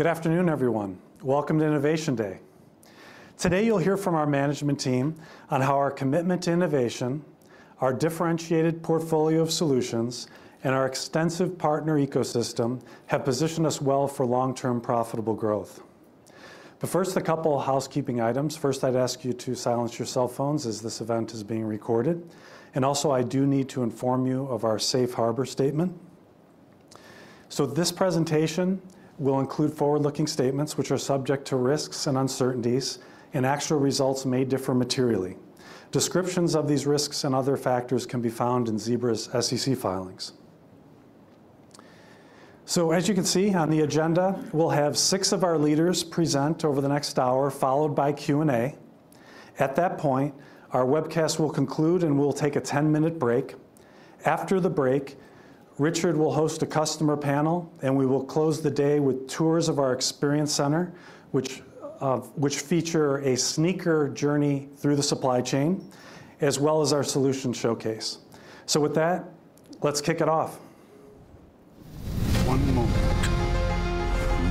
Good afternoon, everyone. Welcome to Innovation Day. Today you'll hear from our management team on how our commitment to innovation, our differentiated portfolio of solutions, and our extensive partner ecosystem have positioned us well for long-term profitable growth. First, a couple of housekeeping items. First, I'd ask you to silence your cell phones as this event is being recorded. Also, I do need to inform you of our Safe Harbor Statement. This presentation will include forward-looking statements which are subject to risks and uncertainties, and actual results may differ materially. Descriptions of these risks and other factors can be found in Zebra's SEC filings. As you can see on the agenda, we'll have six of our leaders present over the next hour, followed by Q&A. At that point, our webcast will conclude and we'll take a 10-minute break. After the break, Richard will host a customer panel, and we will close the day with tours of our Experience Center, which feature a sneaker journey through the supply chain, as well as our Solution Showcase. So with that, let's kick it off. One moment,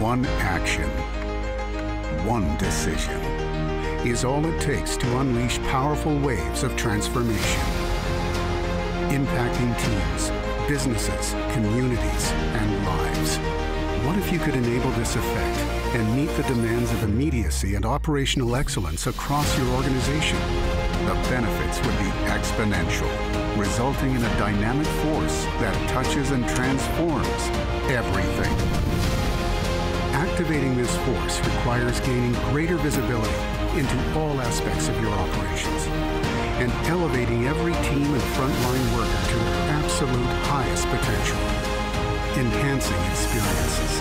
one action, one decision is all it takes to unleash powerful waves of transformation, impacting teams, businesses, communities, and lives. What if you could enable this effect and meet the demands of immediacy and operational excellence across your organization? The benefits would be exponential, resulting in a dynamic force that touches and transforms everything. Activating this force requires gaining greater visibility into all aspects of your operations and elevating every team and frontline worker to their absolute highest potential, enhancing experiences,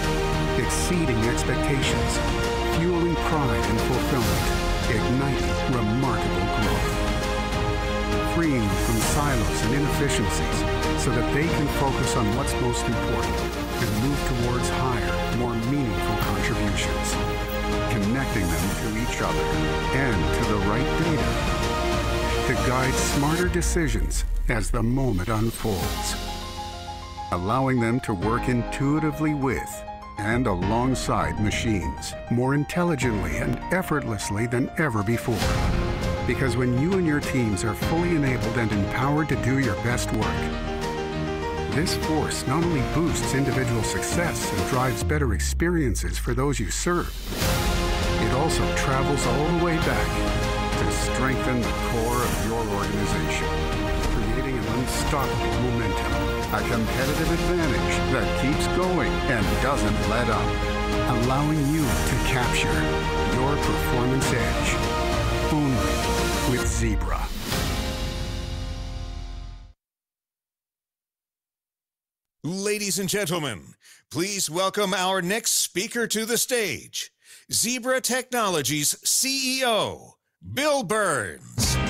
exceeding expectations, fueling pride and fulfillment, igniting remarkable growth, freeing them from silos and inefficiencies so that they can focus on what's most important and move towards higher, more meaningful contributions, connecting them to each other and to the right data to guide smarter decisions as the moment unfolds, allowing them to work intuitively with and alongside machines more intelligently and effortlessly than ever before. Because when you and your teams are fully enabled and empowered to do your best work, this force not only boosts individual success and drives better experiences for those you serve, it also travels all the way back to strengthen the core of your organization, creating an unstoppable momentum, a competitive advantage that keeps going and doesn't let up, allowing you to capture your performance edge only with Zebra. Ladies and gentlemen, please welcome our next speaker to the stage, Zebra Technologies CEO Bill Burns. Well,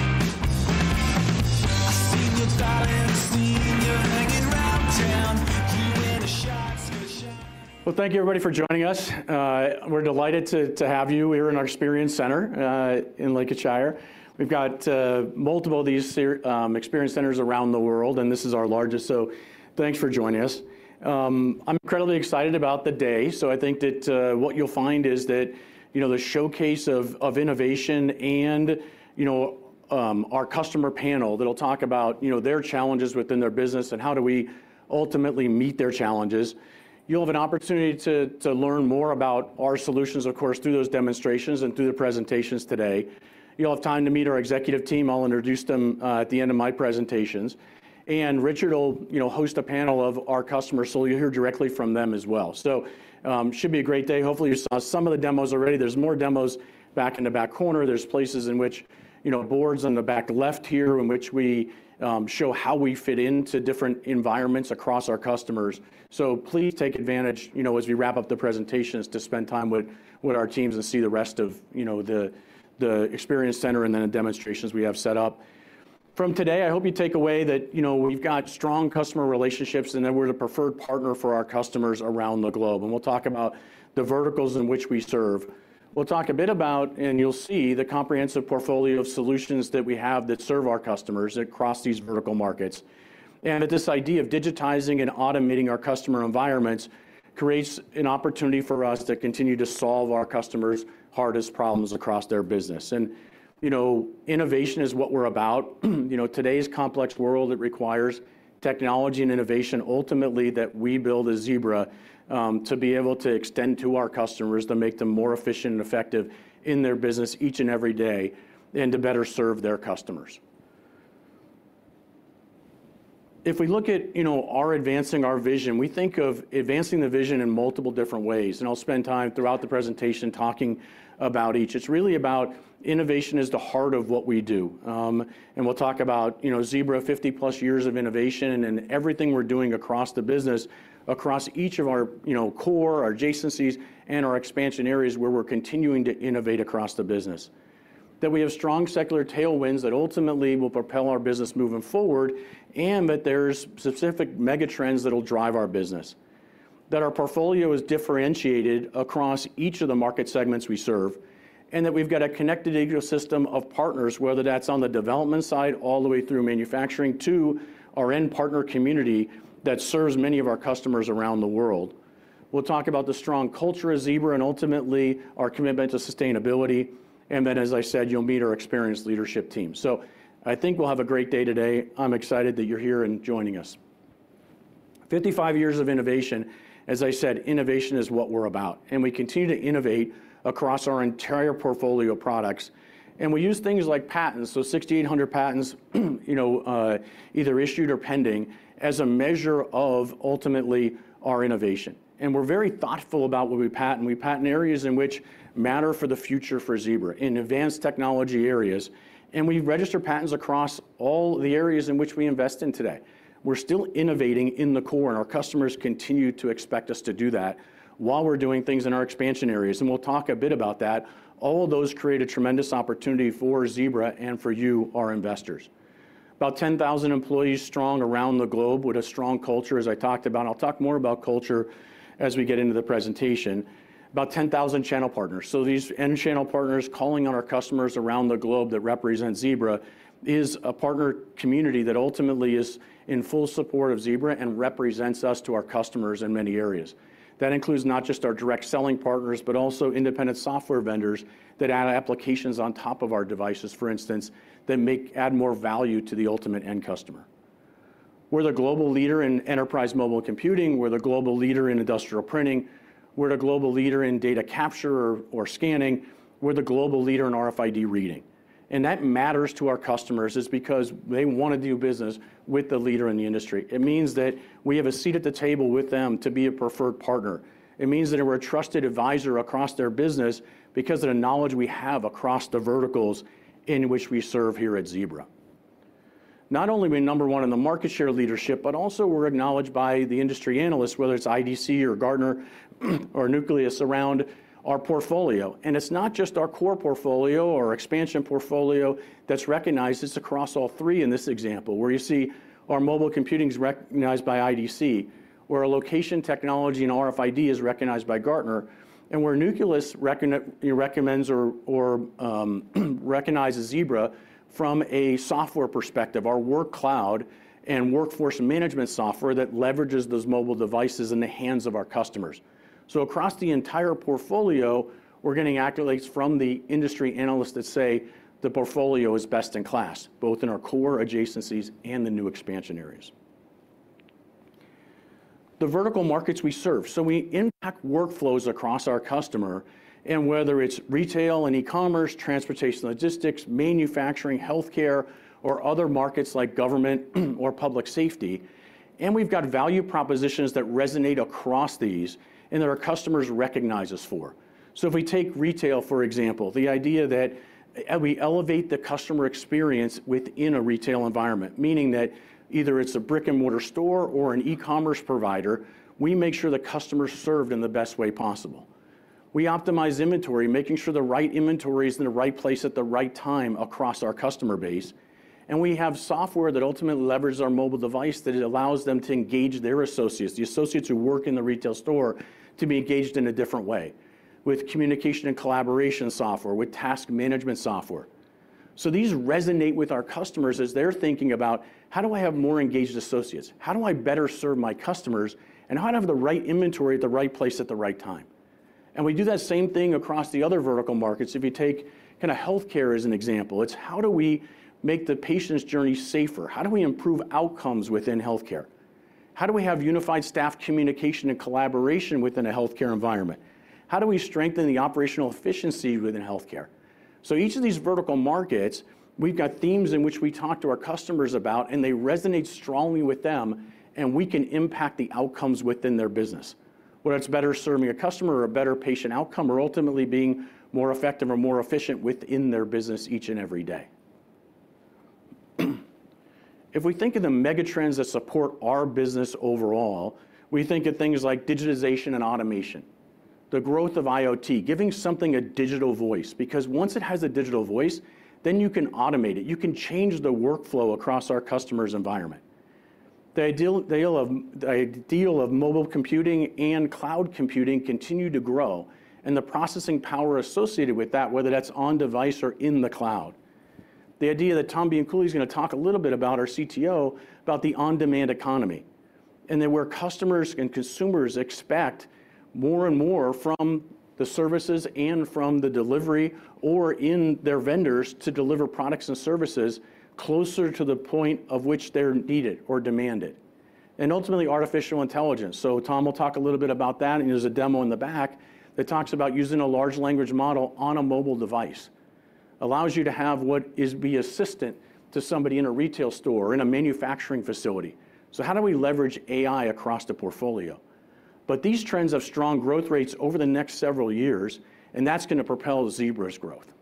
thank you, everybody, for joining us. We're delighted to have you here in our experience center in Lincolnshire. We've got multiple of these experience centers around the world, and this is our largest. So thanks for joining us. I'm incredibly excited about the day. So I think that what you'll find is that the showcase of innovation and our customer panel that'll talk about their challenges within their business and how do we ultimately meet their challenges, you'll have an opportunity to learn more about our solutions, of course, through those demonstrations and through the presentations today. You'll have time to meet our executive team. I'll introduce them at the end of my presentations. And Richard will host a panel of our customers. So you'll hear directly from them as well. So it should be a great day. Hopefully, you saw some of the demos already. There's more demos back in the back corner. There's places in which boards on the back left here in which we show how we fit into different environments across our customers. So please take advantage as we wrap up the presentations to spend time with our teams and see the rest of the experience center and then the demonstrations we have set up. From today, I hope you take away that we've got strong customer relationships and that we're the preferred partner for our customers around the globe. We'll talk about the verticals in which we serve. We'll talk a bit about, and you'll see, the comprehensive portfolio of solutions that we have that serve our customers across these vertical markets. This idea of digitizing and automating our customer environments creates an opportunity for us to continue to solve our customers' hardest problems across their business. Innovation is what we're about. Today's complex world requires technology and innovation, ultimately, that we build as Zebra to be able to extend to our customers to make them more efficient and effective in their business each and every day and to better serve their customers. If we look at advancing our vision, we think of advancing the vision in multiple different ways. I'll spend time throughout the presentation talking about each. It's really about innovation as the heart of what we do. We'll talk about Zebra, 50+ years of innovation, and everything we're doing across the business, across each of our core, our adjacencies, and our expansion areas where we're continuing to innovate across the business, that we have strong secular tailwinds that ultimately will propel our business moving forward, and that there's specific megatrends that'll drive our business, that our portfolio is differentiated across each of the market segments we serve, and that we've got a connected ecosystem of partners, whether that's on the development side all the way through manufacturing to our end partner community that serves many of our customers around the world. We'll talk about the strong culture at Zebra and ultimately our commitment to sustainability. Then, as I said, you'll meet our experienced leadership team. So I think we'll have a great day today. I'm excited that you're here and joining us. 55 years of innovation. As I said, innovation is what we're about. We continue to innovate across our entire portfolio of products. We use things like patents, so 6,800 patents, either issued or pending, as a measure of, ultimately, our innovation. We're very thoughtful about what we patent. We patent areas in which matter for the future for Zebra, in advanced technology areas. We register patents across all the areas in which we invest in today. We're still innovating in the core. Our customers continue to expect us to do that while we're doing things in our expansion areas. We'll talk a bit about that. All of those create a tremendous opportunity for Zebra and for you, our investors. About 10,000 employees strong around the globe with a strong culture, as I talked about. I'll talk more about culture as we get into the presentation. About 10,000 channel partners. These end channel partners calling on our customers around the globe that represent Zebra is a partner community that ultimately is in full support of Zebra and represents us to our customers in many areas. That includes not just our direct selling partners but also independent software vendors that add applications on top of our devices, for instance, that add more value to the ultimate end customer. We're the global leader in enterprise mobile computing. We're the global leader in industrial printing. We're the global leader in data capture or scanning. We're the global leader in RFID reading. That matters to our customers is because they want to do business with the leader in the industry. It means that we have a seat at the table with them to be a preferred partner. It means that we're a trusted advisor across their business because of the knowledge we have across the verticals in which we serve here at Zebra. Not only are we number one in the market share leadership, but also we're acknowledged by the industry analysts, whether it's IDC or Gartner or Nucleus, around our portfolio. It's not just our core portfolio or our expansion portfolio that's recognized. It's across all three in this example, where you see our mobile computing is recognized by IDC, where our location technology and RFID is recognized by Gartner, and where Nucleus recognizes Zebra from a software perspective, our Workcloud and workforce management software that leverages those mobile devices in the hands of our customers. So across the entire portfolio, we're getting accolades from the industry analysts that say the portfolio is best in class, both in our core adjacencies and the new expansion areas. The vertical markets we serve. So we impact workflows across our customer, and whether it's retail and e-commerce, transportation logistics, manufacturing, health care, or other markets like government or public safety. And we've got value propositions that resonate across these and that our customers recognize us for. So if we take retail, for example, the idea that we elevate the customer experience within a retail environment, meaning that either it's a brick-and-mortar store or an e-commerce provider, we make sure the customer is served in the best way possible. We optimize inventory, making sure the right inventory is in the right place at the right time across our customer base. We have software that ultimately leverages our mobile device that allows them to engage their associates, the associates who work in the retail store, to be engaged in a different way, with communication and collaboration software, with task management software. So these resonate with our customers as they're thinking about, how do I have more engaged associates? How do I better serve my customers? And how do I have the right inventory at the right place at the right time? We do that same thing across the other vertical markets. If you take kind of health care as an example, it's how do we make the patient's journey safer? How do we improve outcomes within health care? How do we have unified staff communication and collaboration within a health care environment? How do we strengthen the operational efficiency within health care? So each of these vertical markets, we've got themes in which we talk to our customers about, and they resonate strongly with them, and we can impact the outcomes within their business, whether it's better serving a customer or a better patient outcome or ultimately being more effective or more efficient within their business each and every day. If we think of the megatrends that support our business overall, we think of things like digitization and automation, the growth of IoT, giving something a digital voice. Because once it has a digital voice, then you can automate it. You can change the workflow across our customer's environment. The ideal of mobile computing and cloud computing continues to grow, and the processing power associated with that, whether that's on-device or in the cloud. The idea that Tom Bianculi is going to talk a little bit about, our CTO, about the on-demand economy, and that where customers and consumers expect more and more from the services and from the delivery or in their vendors to deliver products and services closer to the point of which they're needed or demanded. And ultimately, artificial intelligence. So Tom will talk a little bit about that. And there's a demo in the back that talks about using a large language model on a mobile device, allows you to have what is be assistant to somebody in a retail store or in a manufacturing facility. So how do we leverage AI across the portfolio? But these trends have strong growth rates over the next several years, and that's going to propel Zebra's growth.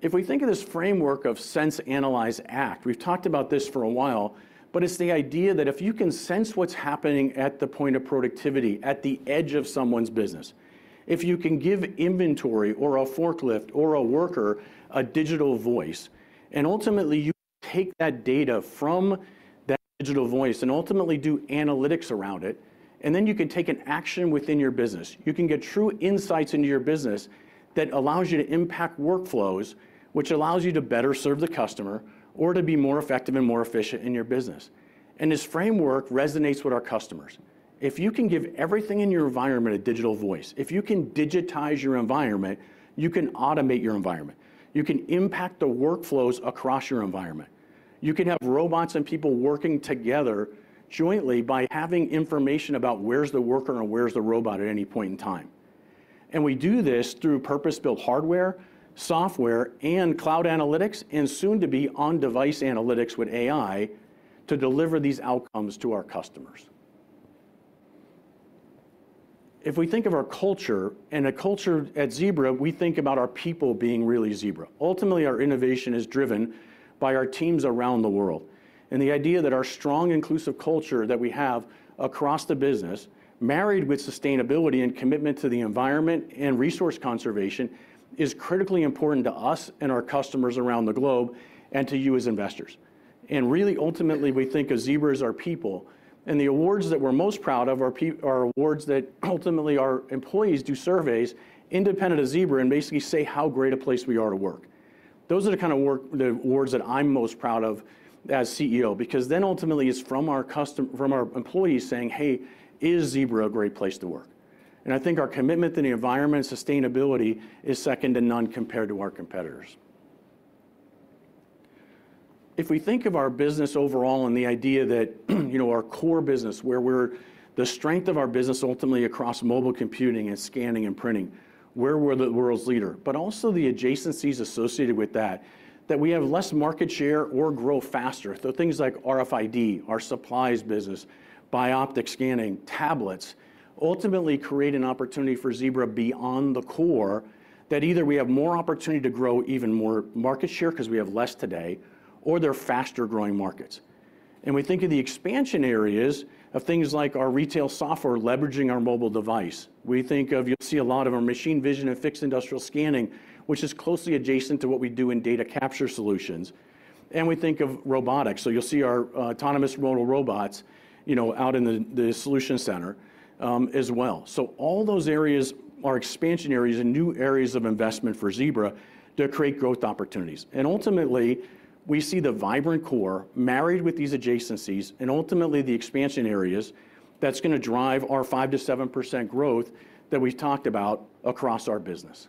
If we think of this framework of sense, analyze, act. We've talked about this for a while, but it's the idea that if you can sense what's happening at the point of productivity, at the edge of someone's business, if you can give inventory or a forklift or a worker a digital voice, and ultimately you take that data from that digital voice and ultimately do analytics around it, and then you can take an action within your business, you can get true insights into your business that allows you to impact workflows, which allows you to better serve the customer or to be more effective and more efficient in your business. And this framework resonates with our customers. If you can give everything in your environment a digital voice, if you can digitize your environment, you can automate your environment. You can impact the workflows across your environment. You can have robots and people working together jointly by having information about where's the worker and where's the robot at any point in time. We do this through purpose-built hardware, software, and cloud analytics, and soon to be on-device analytics with AI to deliver these outcomes to our customers. If we think of our culture and a culture at Zebra, we think about our people being really Zebra. Ultimately, our innovation is driven by our teams around the world. The idea that our strong, inclusive culture that we have across the business, married with sustainability and commitment to the environment and resource conservation, is critically important to us and our customers around the globe and to you as investors. Really, ultimately, we think of Zebra as our people. The awards that we're most proud of are awards that ultimately our employees do surveys independent of Zebra and basically say how great a place we are to work. Those are the kind of awards that I'm most proud of as CEO because then ultimately it's from our employees saying, hey, is Zebra a great place to work? I think our commitment to the environment and sustainability is second to none compared to our competitors. If we think of our business overall and the idea that our core business, where we're the strength of our business ultimately across mobile computing and scanning and printing, where we're the world's leader, but also the adjacencies associated with that, that we have less market share or grow faster. So things like RFID, our supplies business, bioptic scanning, tablets ultimately create an opportunity for Zebra beyond the core that either we have more opportunity to grow even more market share because we have less today or they're faster-growing markets. And we think of the expansion areas of things like our retail software leveraging our mobile device. We think of you'll see a lot of our machine vision and fixed industrial scanning, which is closely adjacent to what we do in data capture solutions. And we think of robotics. So you'll see our autonomous remote robots out in the Solution Center as well. So all those areas are expansion areas and new areas of investment for Zebra to create growth opportunities. And ultimately, we see the vibrant core married with these adjacencies and ultimately the expansion areas that's going to drive our 5%-7% growth that we've talked about across our business.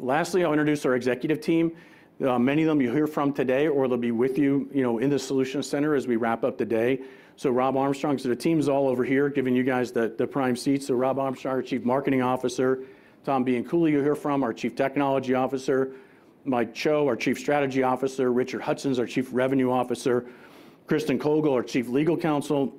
Lastly, I'll introduce our executive team. Many of them you'll hear from today, or they'll be with you in the Solution Center as we wrap up the day. So Rob Armstrong, so the team's all over here giving you guys the prime seats. So Rob Armstrong, our Chief Marketing Officer. Tom Bianculi, you'll hear from, our Chief Technology Officer. Mike Cho, our Chief Strategy Officer. Richard Hudson, our Chief Revenue Officer. Cristen Kogl, our Chief Legal Counsel.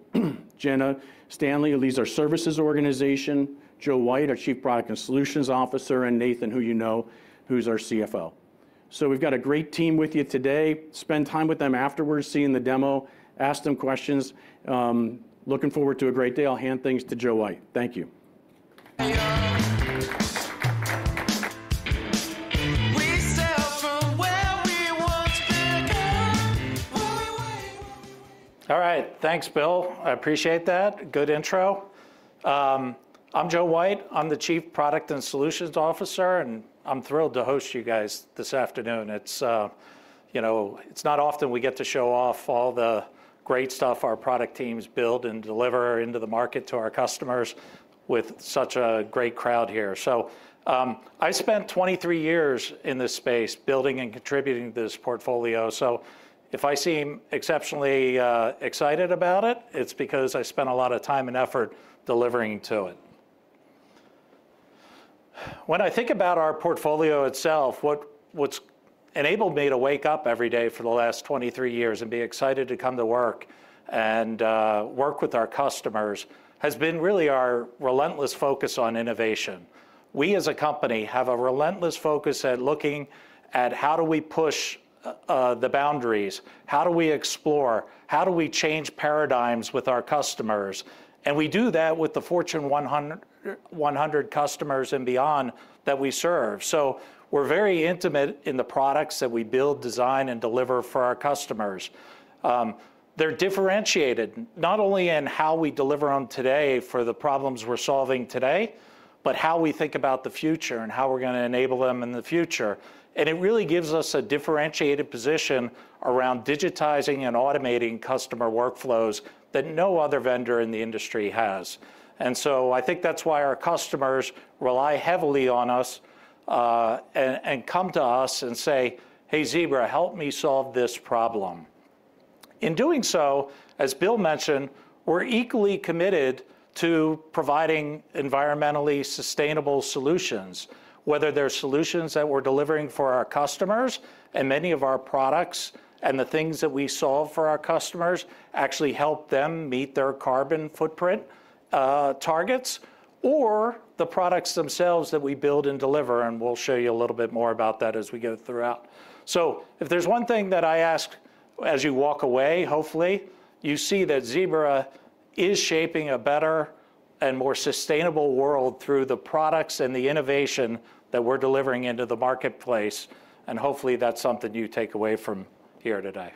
Jenna Stanley, who leads our services organization. Joe White, our Chief Product and Solutions Officer. And Nathan, who you know, who's our CFO. So we've got a great team with you today. Spend time with them afterwards, seeing the demo, ask them questions. Looking forward to a great day. I'll hand things to Joe White. Thank you. All right. Thanks, Bill. I appreciate that. Good intro. I'm Joe White. I'm the Chief Product and Solutions Officer. I'm thrilled to host you guys this afternoon. It's not often we get to show off all the great stuff our product teams build and deliver into the market to our customers with such a great crowd here. I spent 23 years in this space building and contributing to this portfolio. If I seem exceptionally excited about it, it's because I spent a lot of time and effort delivering to it. When I think about our portfolio itself, what's enabled me to wake up every day for the last 23 years and be excited to come to work and work with our customers has been really our relentless focus on innovation. We, as a company, have a relentless focus at looking at how do we push the boundaries? How do we explore? How do we change paradigms with our customers? And we do that with the Fortune 100 customers and beyond that we serve. So we're very intimate in the products that we build, design, and deliver for our customers. They're differentiated not only in how we deliver on today for the problems we're solving today but how we think about the future and how we're going to enable them in the future. It really gives us a differentiated position around digitizing and automating customer workflows that no other vendor in the industry has. So I think that's why our customers rely heavily on us and come to us and say, hey, Zebra, help me solve this problem. In doing so, as Bill mentioned, we're equally committed to providing environmentally sustainable solutions, whether they're solutions that we're delivering for our customers and many of our products and the things that we solve for our customers actually help them meet their carbon footprint targets or the products themselves that we build and deliver. We'll show you a little bit more about that as we go throughout. So if there's one thing that I ask as you walk away, hopefully, you see that Zebra is shaping a better and more sustainable world through the products and the innovation that we're delivering into the marketplace. And hopefully, that's something you take away from here today.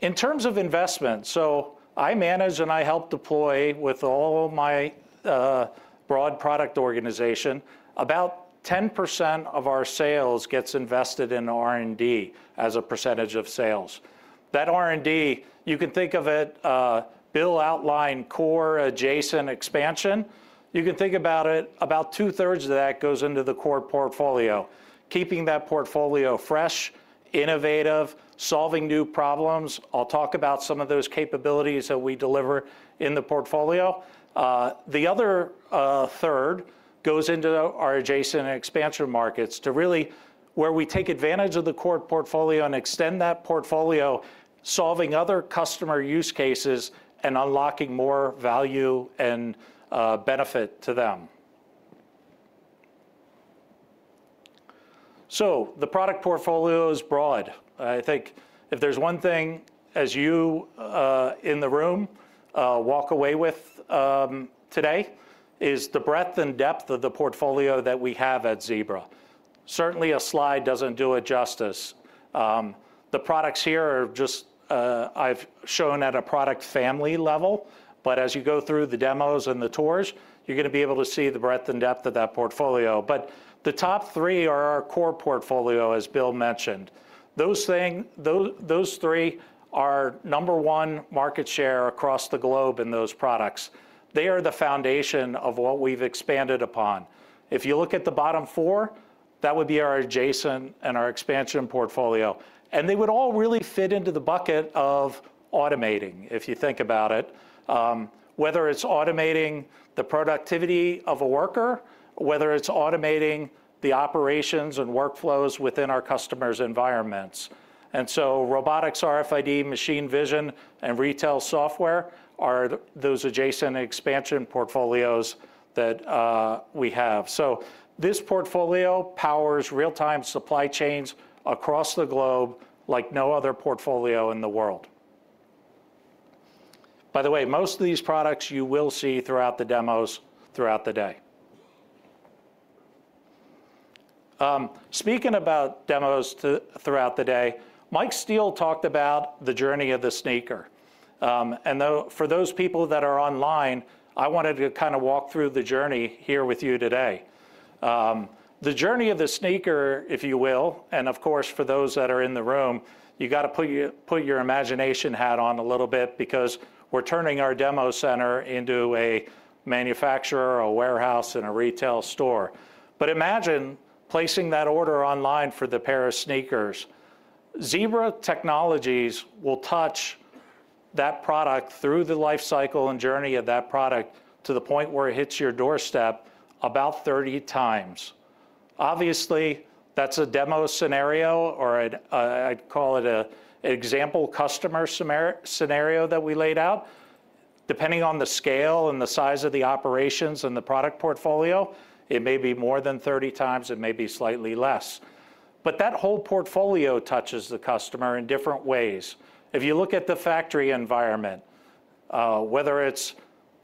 In terms of investment, so I manage and I help deploy with all my broad product organization. About 10% of our sales gets invested in R&D as a percentage of sales. That R&D, you can think of it Bill outlined core adjacent expansion. You can think about it about 2/3 of that goes into the core portfolio, keeping that portfolio fresh, innovative, solving new problems. I'll talk about some of those capabilities that we deliver in the portfolio. The other 1/3 goes into our adjacent expansion markets to really where we take advantage of the core portfolio and extend that portfolio, solving other customer use cases and unlocking more value and benefit to them. So the product portfolio is broad. I think if there's one thing as you in the room walk away with today is the breadth and depth of the portfolio that we have at Zebra. Certainly, a slide doesn't do it justice. The products here are just I've shown at a product family level. But as you go through the demos and the tours, you're going to be able to see the breadth and depth of that portfolio. But the top three are our core portfolio, as Bill mentioned. Those three are number one market share across the globe in those products. They are the foundation of what we've expanded upon. If you look at the bottom four, that would be our adjacent and our expansion portfolio. And they would all really fit into the bucket of automating, if you think about it, whether it's automating the productivity of a worker, whether it's automating the operations and workflows within our customer's environments. And so robotics, RFID, machine vision, and retail software are those adjacent expansion portfolios that we have. So this portfolio powers real-time supply chains across the globe like no other portfolio in the world. By the way, most of these products you will see throughout the demos throughout the day. Speaking about demos throughout the day, Mike Steele talked about the journey of the sneaker. And for those people that are online, I wanted to kind of walk through the journey here with you today. The journey of the sneaker, if you will, and of course, for those that are in the room, you've got to put your imagination hat on a little bit because we're turning our demo center into a manufacturer, a warehouse, and a retail store. But imagine placing that order online for the pair of sneakers. Zebra Technologies will touch that product through the life cycle and journey of that product to the point where it hits your doorstep about 30 times. Obviously, that's a demo scenario, or I'd call it an example customer scenario that we laid out. Depending on the scale and the size of the operations and the product portfolio, it may be more than 30 times. It may be slightly less. But that whole portfolio touches the customer in different ways. If you look at the factory environment, whether it's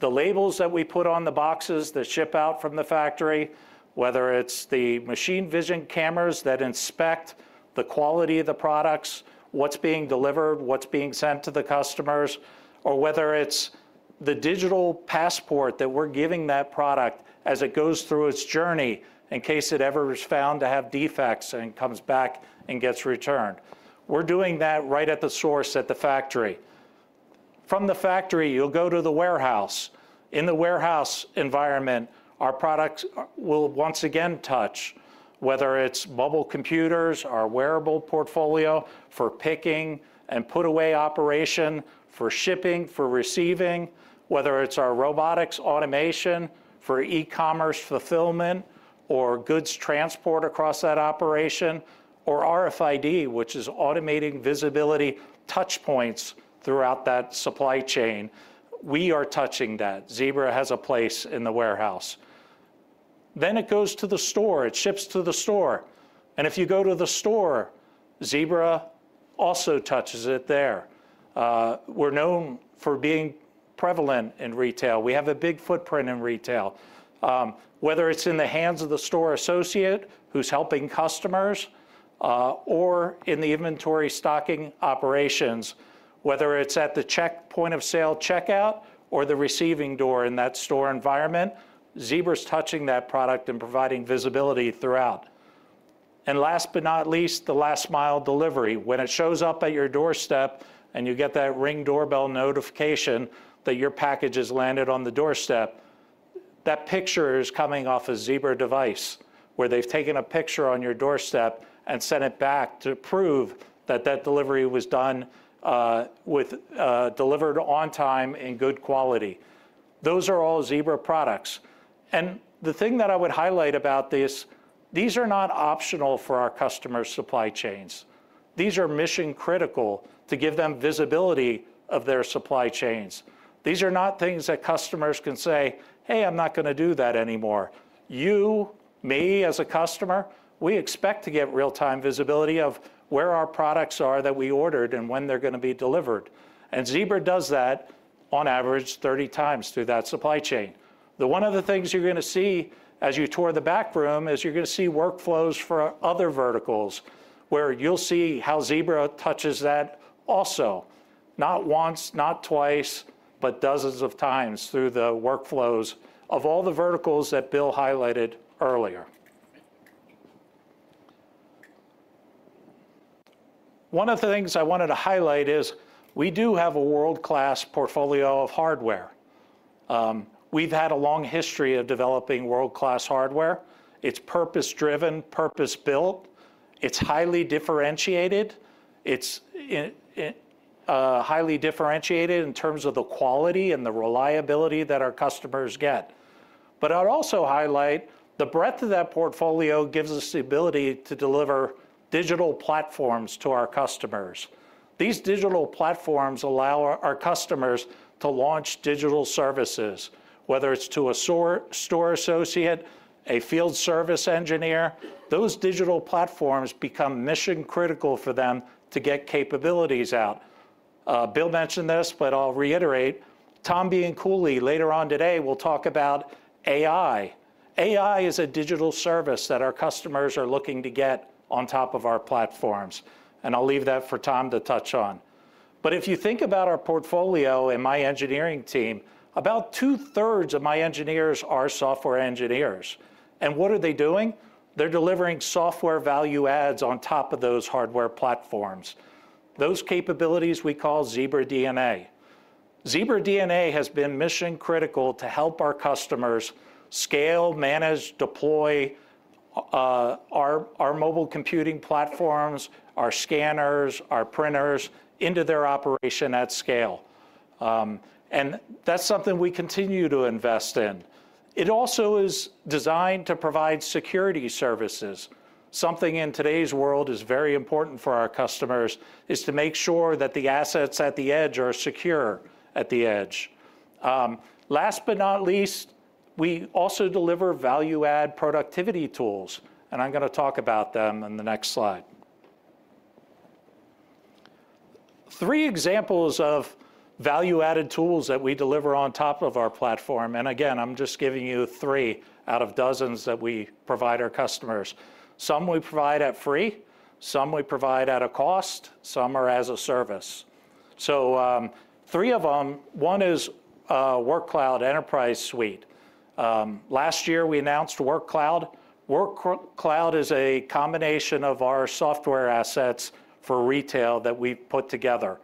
the labels that we put on the boxes that ship out from the factory, whether it's the machine vision cameras that inspect the quality of the products, what's being delivered, what's being sent to the customers, or whether it's the digital passport that we're giving that product as it goes through its journey in case it ever is found to have defects and comes back and gets returned, we're doing that right at the source at the factory. From the factory, you'll go to the warehouse. In the warehouse environment, our products will once again touch, whether it's mobile computers, our wearable portfolio for picking and put away operation, for shipping, for receiving, whether it's our robotics automation for e-commerce fulfillment or goods transport across that operation, or RFID, which is automating visibility touchpoints throughout that supply chain. We are touching that. Zebra has a place in the warehouse. Then it goes to the store. It ships to the store. And if you go to the store, Zebra also touches it there. We're known for being prevalent in retail. We have a big footprint in retail, whether it's in the hands of the store associate who's helping customers or in the inventory stocking operations, whether it's at the point of sale checkout or the receiving door in that store environment, Zebra is touching that product and providing visibility throughout. And last but not least, the last mile delivery. When it shows up at your doorstep and you get that Ring doorbell notification that your package has landed on the doorstep, that picture is coming off a Zebra device where they've taken a picture on your doorstep and sent it back to prove that that delivery was done with delivered on time in good quality. Those are all Zebra products. And the thing that I would highlight about this, these are not optional for our customer's supply chains. These are mission critical to give them visibility of their supply chains. These are not things that customers can say, hey, I'm not going to do that anymore. You, me, as a customer, we expect to get real-time visibility of where our products are that we ordered and when they're going to be delivered. And Zebra does that, on average, 30 times through that supply chain. One of the things you're going to see as you tour the back room is you're going to see workflows for other verticals where you'll see how Zebra touches that also, not once, not twice, but dozens of times through the workflows of all the verticals that Bill highlighted earlier. One of the things I wanted to highlight is we do have a world-class portfolio of hardware. We've had a long history of developing world-class hardware. It's purpose-driven, purpose-built. It's highly differentiated. It's highly differentiated in terms of the quality and the reliability that our customers get. But I'd also highlight the breadth of that portfolio gives us the ability to deliver digital platforms to our customers. These digital platforms allow our customers to launch digital services, whether it's to a store associate, a field service engineer. Those digital platforms become mission critical for them to get capabilities out. Bill mentioned this, but I'll reiterate. Tom Bianculi later on today will talk about AI. AI is a digital service that our customers are looking to get on top of our platforms. I'll leave that for Tom to touch on. If you think about our portfolio and my engineering team, about 2/3 of my engineers are software engineers. What are they doing? They're delivering software value adds on top of those hardware platforms, those capabilities we call Zebra DNA. Zebra DNA has been mission critical to help our customers scale, manage, deploy our mobile computing platforms, our scanners, our printers into their operation at scale. That's something we continue to invest in. It also is designed to provide security services. Something in today's world is very important for our customers is to make sure that the assets at the edge are secure at the edge. Last but not least, we also deliver value add productivity tools. I'm going to talk about them in the next slide. Three examples of value added tools that we deliver on top of our platform. Again, I'm just giving you three out of dozens that we provide our customers. Some we provide for free. Some we provide at a cost. Some are as a service. So three of them, one is Workcloud Enterprise Suite. Last year, we announced Workcloud. Workcloud is a combination of our software assets for retail that we've put together.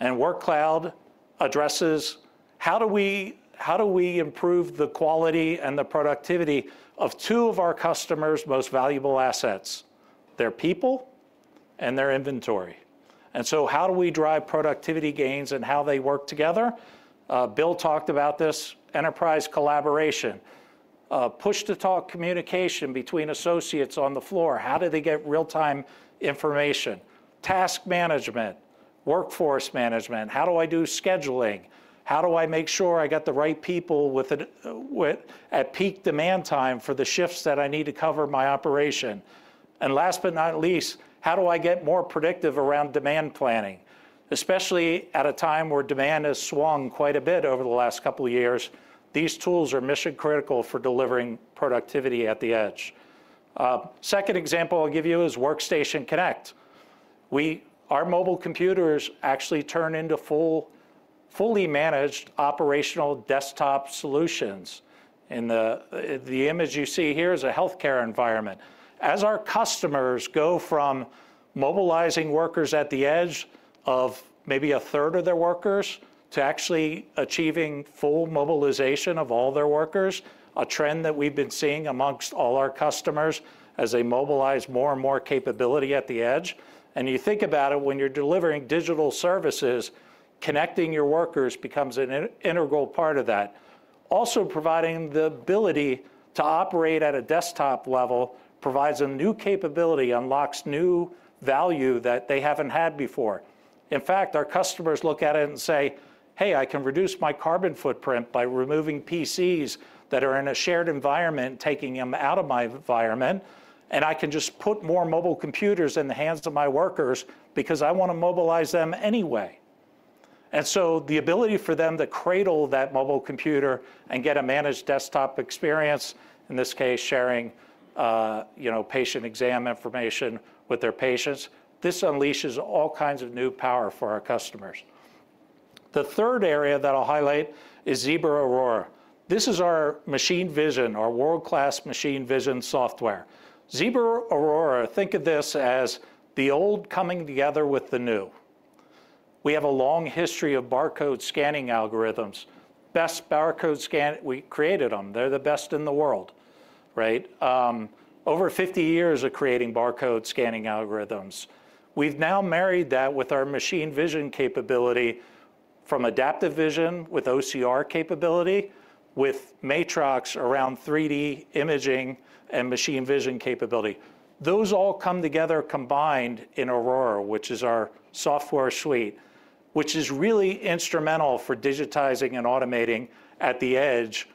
Workcloud addresses, how do we improve the quality and the productivity of two of our customers' most valuable assets? Their people and their inventory. So how do we drive productivity gains and how they work together? Bill talked about this, enterprise collaboration, push-to-talk communication between associates on the floor. How do they get real-time information? Task management, workforce management. How do I do scheduling? How do I make sure I got the right people at peak demand time for the shifts that I need to cover my operation? And last but not least, how do I get more predictive around demand planning, especially at a time where demand has swung quite a bit over the last couple of years? These tools are mission critical for delivering productivity at the edge. The second example I'll give you is Workstation Connect. Our mobile computers actually turn into fully managed operational desktop solutions. And the image you see here is a health care environment. As our customers go from mobilizing workers at the edge of maybe 1/3 of their workers to actually achieving full mobilization of all their workers, a trend that we've been seeing among all our customers as they mobilize more and more capability at the edge. And you think about it, when you're delivering digital services, connecting your workers becomes an integral part of that. Also, providing the ability to operate at a desktop level provides a new capability, unlocks new value that they haven't had before. In fact, our customers look at it and say, hey, I can reduce my carbon footprint by removing PCs that are in a shared environment and taking them out of my environment. And I can just put more mobile computers in the hands of my workers because I want to mobilize them anyway. And so the ability for them to cradle that mobile computer and get a managed desktop experience, in this case, sharing patient exam information with their patients, this unleashes all kinds of new power for our customers. The third area that I'll highlight is Zebra Aurora. This is our machine vision, our world-class machine vision software. Zebra Aurora, think of this as the old coming together with the new. We have a long history of barcode scanning algorithms. Best barcode scanner. We created them. They're the best in the world, right? Over 50 years of creating barcode scanning algorithms. We've now married that with our machine vision capability from Adaptive Vision with OCR capability, with Matrox around 3D imaging and machine vision capability. Those all come together combined in Aurora, which is our software suite, which is really instrumental for digitizing and automating at the edge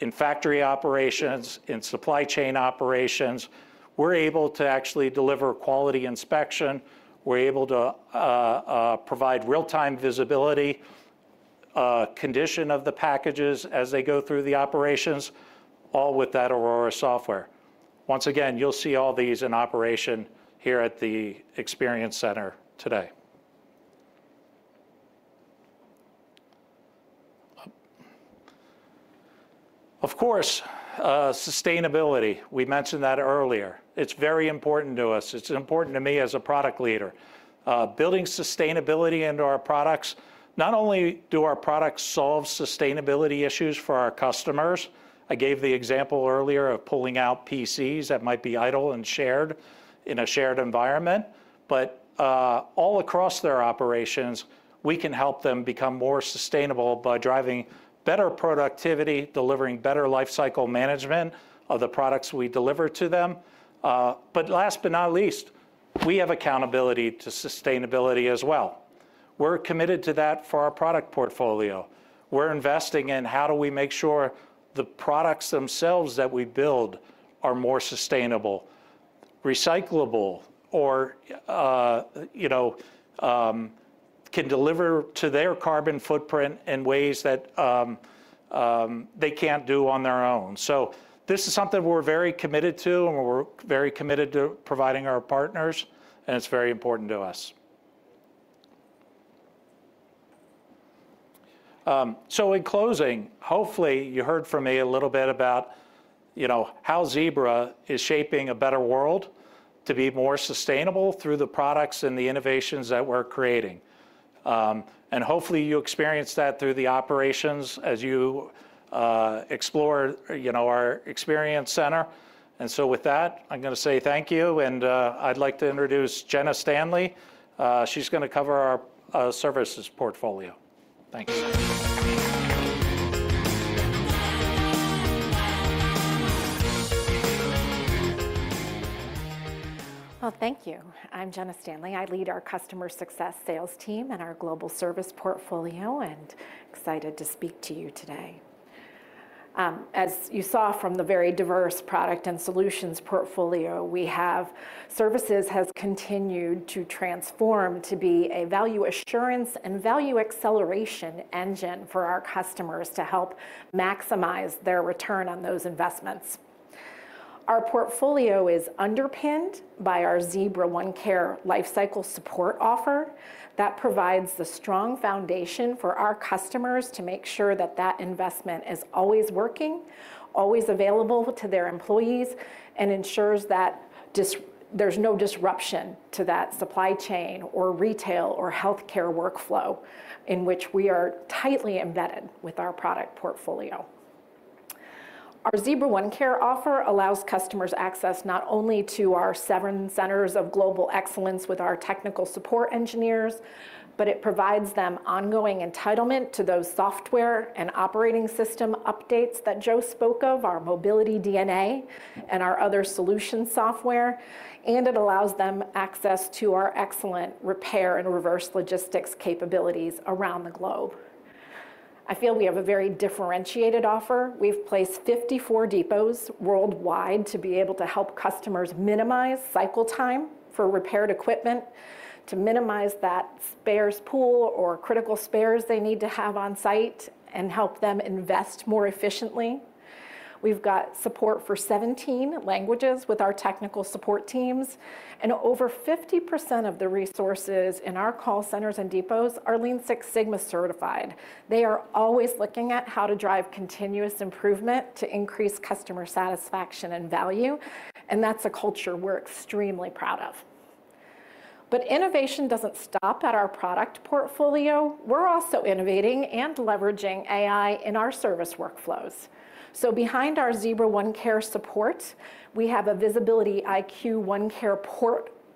in factory operations, in supply chain operations. We're able to actually deliver quality inspection. We're able to provide real-time visibility, condition of the packages as they go through the operations, all with that Aurora software. Once again, you'll see all these in operation here at the Experience Center today. Of course, sustainability. We mentioned that earlier. It's very important to us. It's important to me as a product leader. Building sustainability into our products, not only do our products solve sustainability issues for our customers. I gave the example earlier of pulling out PCs that might be idle and shared in a shared environment. But all across their operations, we can help them become more sustainable by driving better productivity, delivering better life cycle management of the products we deliver to them. But last but not least, we have accountability to sustainability as well. We're committed to that for our product portfolio. We're investing in how do we make sure the products themselves that we build are more sustainable, recyclable, or can deliver to their carbon footprint in ways that they can't do on their own. So this is something we're very committed to and we're very committed to providing our partners. And it's very important to us. So in closing, hopefully, you heard from me a little bit about how Zebra is shaping a better world to be more sustainable through the products and the innovations that we're creating. And hopefully, you experienced that through the operations as you explore our Experience Center. So with that, I'm going to say thank you. I'd like to introduce Jenna Stanley. She's going to cover our services portfolio. Thanks. Well, thank you. I'm Jenna Stanley. I lead our customer success sales team and our global service portfolio and excited to speak to you today. As you saw from the very diverse product and solutions portfolio, we have services has continued to transform to be a value assurance and value acceleration engine for our customers to help maximize their return on those investments. Our portfolio is underpinned by our Zebra OneCare Life Cycle Support offer that provides the strong foundation for our customers to make sure that that investment is always working, always available to their employees, and ensures that there's no disruption to that supply chain or retail or health care workflow in which we are tightly embedded with our product portfolio. Our Zebra OneCare offer allows customers access not only to our 7 centers of global excellence with our technical support engineers, but it provides them ongoing entitlement to those software and operating system updates that Joe spoke of, our Mobility DNA and our other solution software. It allows them access to our excellent repair and reverse logistics capabilities around the globe. I feel we have a very differentiated offer. We've placed 54 depots worldwide to be able to help customers minimize cycle time for repaired equipment, to minimize that spares pool or critical spares they need to have on site, and help them invest more efficiently. We've got support for 17 languages with our technical support teams. Over 50% of the resources in our call centers and depots are Lean Six Sigma certified. They are always looking at how to drive continuous improvement to increase customer satisfaction and value. That's a culture we're extremely proud of. Innovation doesn't stop at our product portfolio. We're also innovating and leveraging AI in our service workflows. Behind our Zebra OneCare support, we have a VisibilityIQ OneCare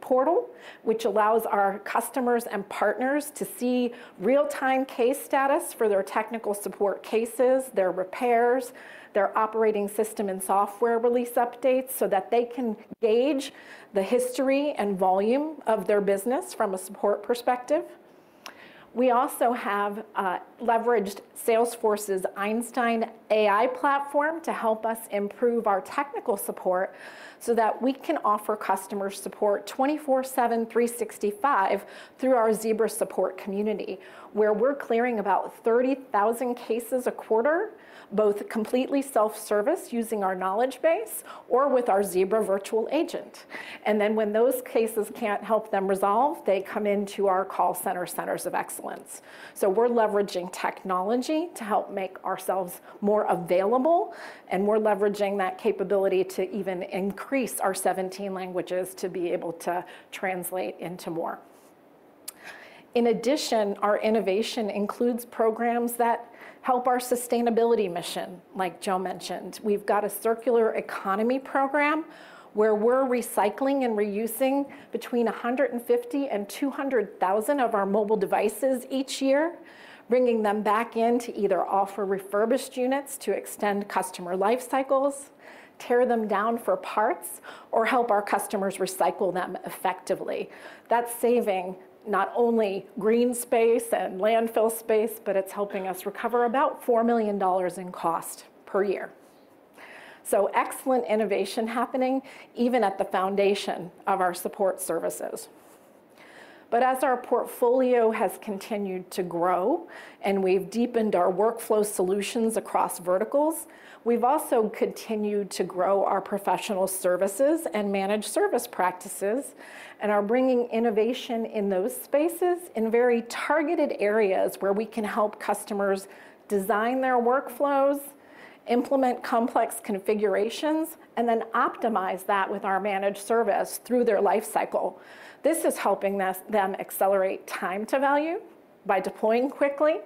portal, which allows our customers and partners to see real-time case status for their technical support cases, their repairs, their operating system and software release updates so that they can gauge the history and volume of their business from a support perspective. We also have leveraged Salesforce's Einstein AI platform to help us improve our technical support so that we can offer customer support 24/7, 365 through our Zebra Support Community, where we're clearing about 30,000 cases a quarter, both completely self-service using our knowledge base or with our Zebra virtual agent. Then when those cases can't help them resolve, they come into our call center centers of excellence. We're leveraging technology to help make ourselves more available. We're leveraging that capability to even increase our 17 languages to be able to translate into more. In addition, our innovation includes programs that help our sustainability mission, like Joe mentioned. We've got a circular economy program where we're recycling and reusing between 150,000 and 200,000 of our mobile devices each year, bringing them back in to either offer refurbished units to extend customer life cycles, tear them down for parts, or help our customers recycle them effectively. That's saving not only green space and landfill space, but it's helping us recover about $4 million in cost per year. Excellent innovation happening even at the foundation of our support services. But as our portfolio has continued to grow and we've deepened our workflow solutions across verticals, we've also continued to grow our professional services and managed service practices and are bringing innovation in those spaces in very targeted areas where we can help customers design their workflows, implement complex configurations, and then optimize that with our managed service through their life cycle. This is helping them accelerate time to value by deploying quickly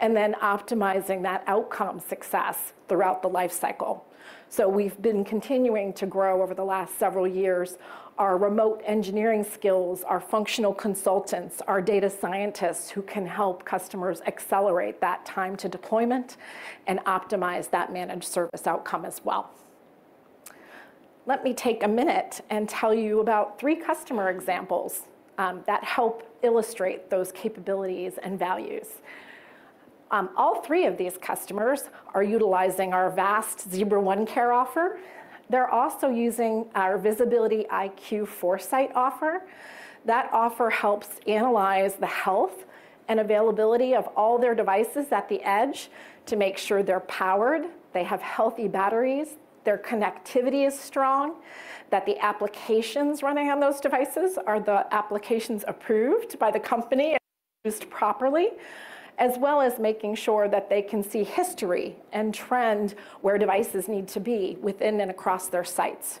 and then optimizing that outcome success throughout the life cycle. So we've been continuing to grow over the last several years, our remote engineering skills, our functional consultants, our data scientists who can help customers accelerate that time to deployment and optimize that managed service outcome as well. Let me take a minute and tell you about three customer examples that help illustrate those capabilities and values. All three of these customers are utilizing our vast Zebra OneCare offer. They're also using our VisibilityIQ Foresight offer. That offer helps analyze the health and availability of all their devices at the edge to make sure they're powered, they have healthy batteries, their connectivity is strong, that the applications running on those devices are the applications approved by the company and used properly, as well as making sure that they can see history and trend where devices need to be within and across their sites.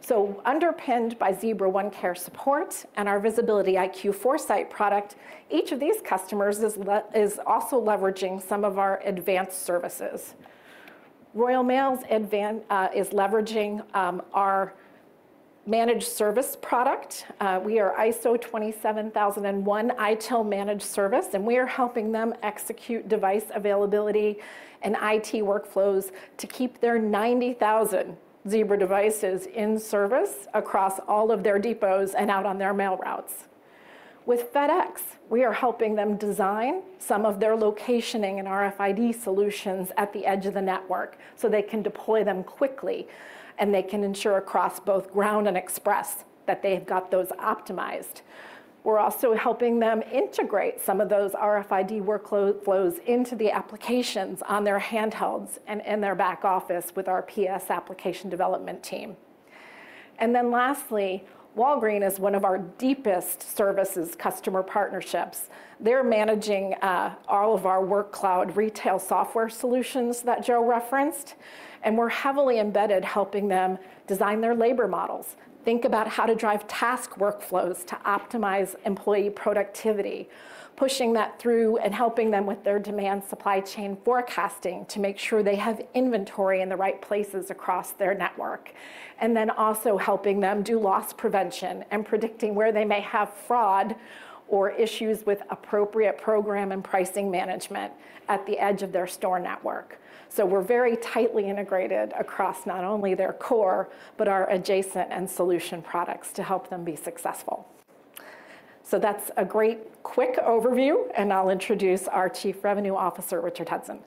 So underpinned by Zebra OneCare support and our VisibilityIQ Foresight product, each of these customers is also leveraging some of our advanced services. Royal Mail is leveraging our managed service product. We are ISO 27001 ITIL managed service. And we are helping them execute device availability and IT workflows to keep their 90,000 Zebra devices in service across all of their depots and out on their mail routes. With FedEx, we are helping them design some of their locationing and RFID solutions at the edge of the network so they can deploy them quickly and they can ensure across both Ground and Express that they've got those optimized. We're also helping them integrate some of those RFID workflows into the applications on their handhelds and in their back office with our PS application development team. And then lastly, Walgreens is one of our deepest services customer partnerships. They're managing all of our Workcloud retail software solutions that Joe referenced. We're heavily embedded helping them design their labor models, think about how to drive task workflows to optimize employee productivity, pushing that through and helping them with their demand supply chain forecasting to make sure they have inventory in the right places across their network, and then also helping them do loss prevention and predicting where they may have fraud or issues with appropriate program and pricing management at the edge of their store network. We're very tightly integrated across not only their core but our adjacent and solution products to help them be successful. That's a great quick overview. I'll introduce our Chief Revenue Officer, Richard Hudson.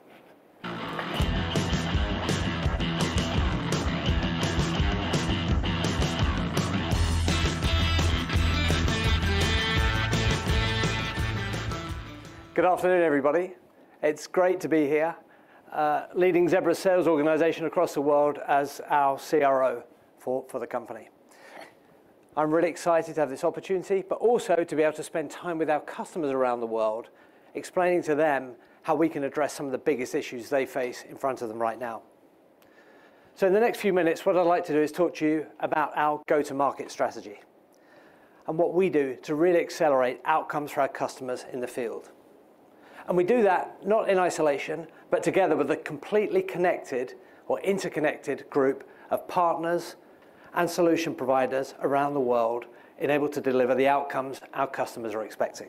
Good afternoon, everybody. It's great to be here leading Zebra's sales organization across the world as our CRO for the company. I'm really excited to have this opportunity, but also to be able to spend time with our customers around the world explaining to them how we can address some of the biggest issues they face in front of them right now. So in the next few minutes, what I'd like to do is talk to you about our go-to-market strategy and what we do to really accelerate outcomes for our customers in the field. And we do that not in isolation, but together with a completely connected or interconnected group of partners and solution providers around the world enabled to deliver the outcomes our customers are expecting.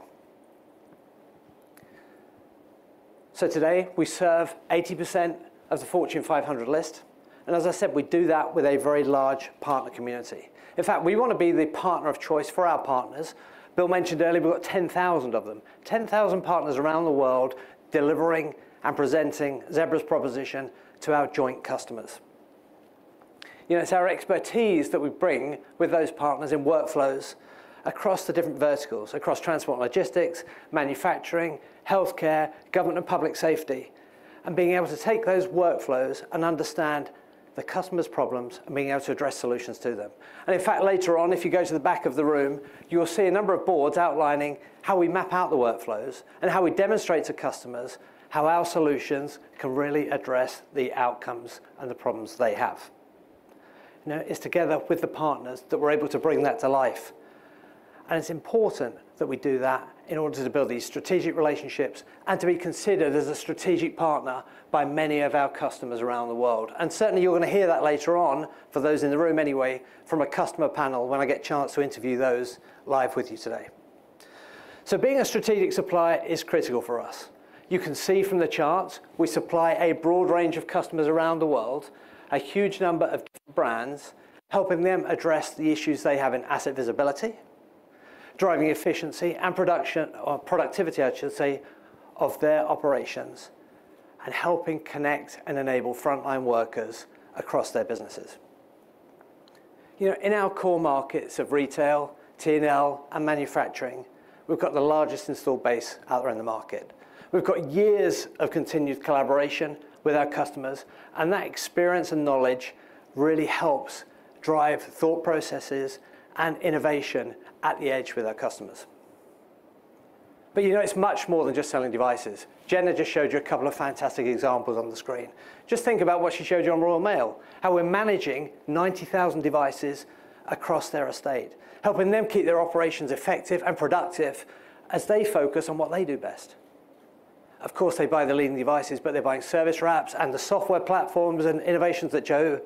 So today, we serve 80% of the Fortune 500 list. As I said, we do that with a very large partner community. In fact, we want to be the partner of choice for our partners. Bill mentioned earlier, we've got 10,000 of them, 10,000 partners around the world delivering and presenting Zebra's proposition to our joint customers. It's our expertise that we bring with those partners in workflows across the different verticals, across transport and logistics, manufacturing, health care, government and public safety, and being able to take those workflows and understand the customer's problems and being able to address solutions to them. In fact, later on, if you go to the back of the room, you'll see a number of boards outlining how we map out the workflows and how we demonstrate to customers how our solutions can really address the outcomes and the problems they have. It's together with the partners that we're able to bring that to life. And it's important that we do that in order to build these strategic relationships and to be considered as a strategic partner by many of our customers around the world. And certainly, you're going to hear that later on for those in the room anyway from a customer panel when I get a chance to interview those live with you today. So being a strategic supplier is critical for us. You can see from the charts, we supply a broad range of customers around the world, a huge number of brands, helping them address the issues they have in asset visibility, driving efficiency and production or productivity, I should say, of their operations, and helping connect and enable frontline workers across their businesses. In our core markets of retail, T&L, and manufacturing, we've got the largest installed base out there in the market. We've got years of continued collaboration with our customers. And that experience and knowledge really helps drive thought processes and innovation at the edge with our customers. But it's much more than just selling devices. Jenna just showed you a couple of fantastic examples on the screen. Just think about what she showed you on Royal Mail, how we're managing 90,000 devices across their estate, helping them keep their operations effective and productive as they focus on what they do best. Of course, they buy the leading devices, but they're buying service wraps and the software platforms and innovations that Joe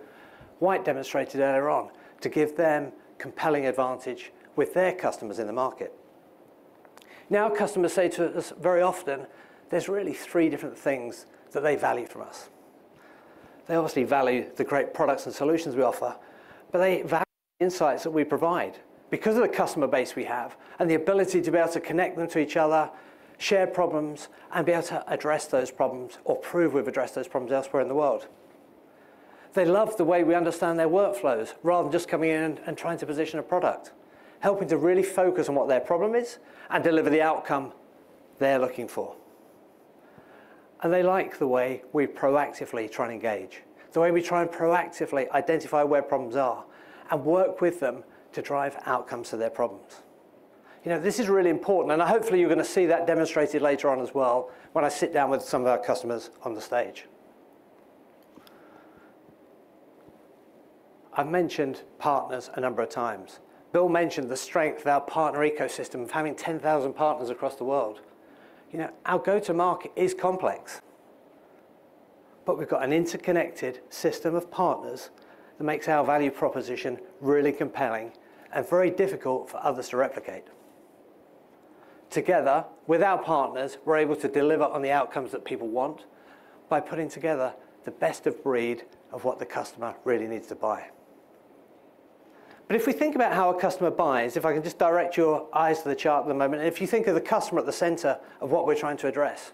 White demonstrated earlier on to give them compelling advantage with their customers in the market. Now, customers say to us very often, there's really three different things that they value from us. They obviously value the great products and solutions we offer, but they value the insights that we provide because of the customer base we have and the ability to be able to connect them to each other, share problems, and be able to address those problems or prove we've addressed those problems elsewhere in the world. They love the way we understand their workflows rather than just coming in and trying to position a product, helping to really focus on what their problem is and deliver the outcome they're looking for. They like the way we proactively try and engage, the way we try and proactively identify where problems are and work with them to drive outcomes to their problems. This is really important. And hopefully, you're going to see that demonstrated later on as well when I sit down with some of our customers on the stage. I've mentioned partners a number of times. Bill mentioned the strength of our partner ecosystem of having 10,000 partners across the world. Our go-to-market is complex. We've got an interconnected system of partners that makes our value proposition really compelling and very difficult for others to replicate. Together, without partners, we're able to deliver on the outcomes that people want by putting together the best of breed of what the customer really needs to buy. But if we think about how a customer buys, if I can just direct your eyes to the chart at the moment, and if you think of the customer at the center of what we're trying to address,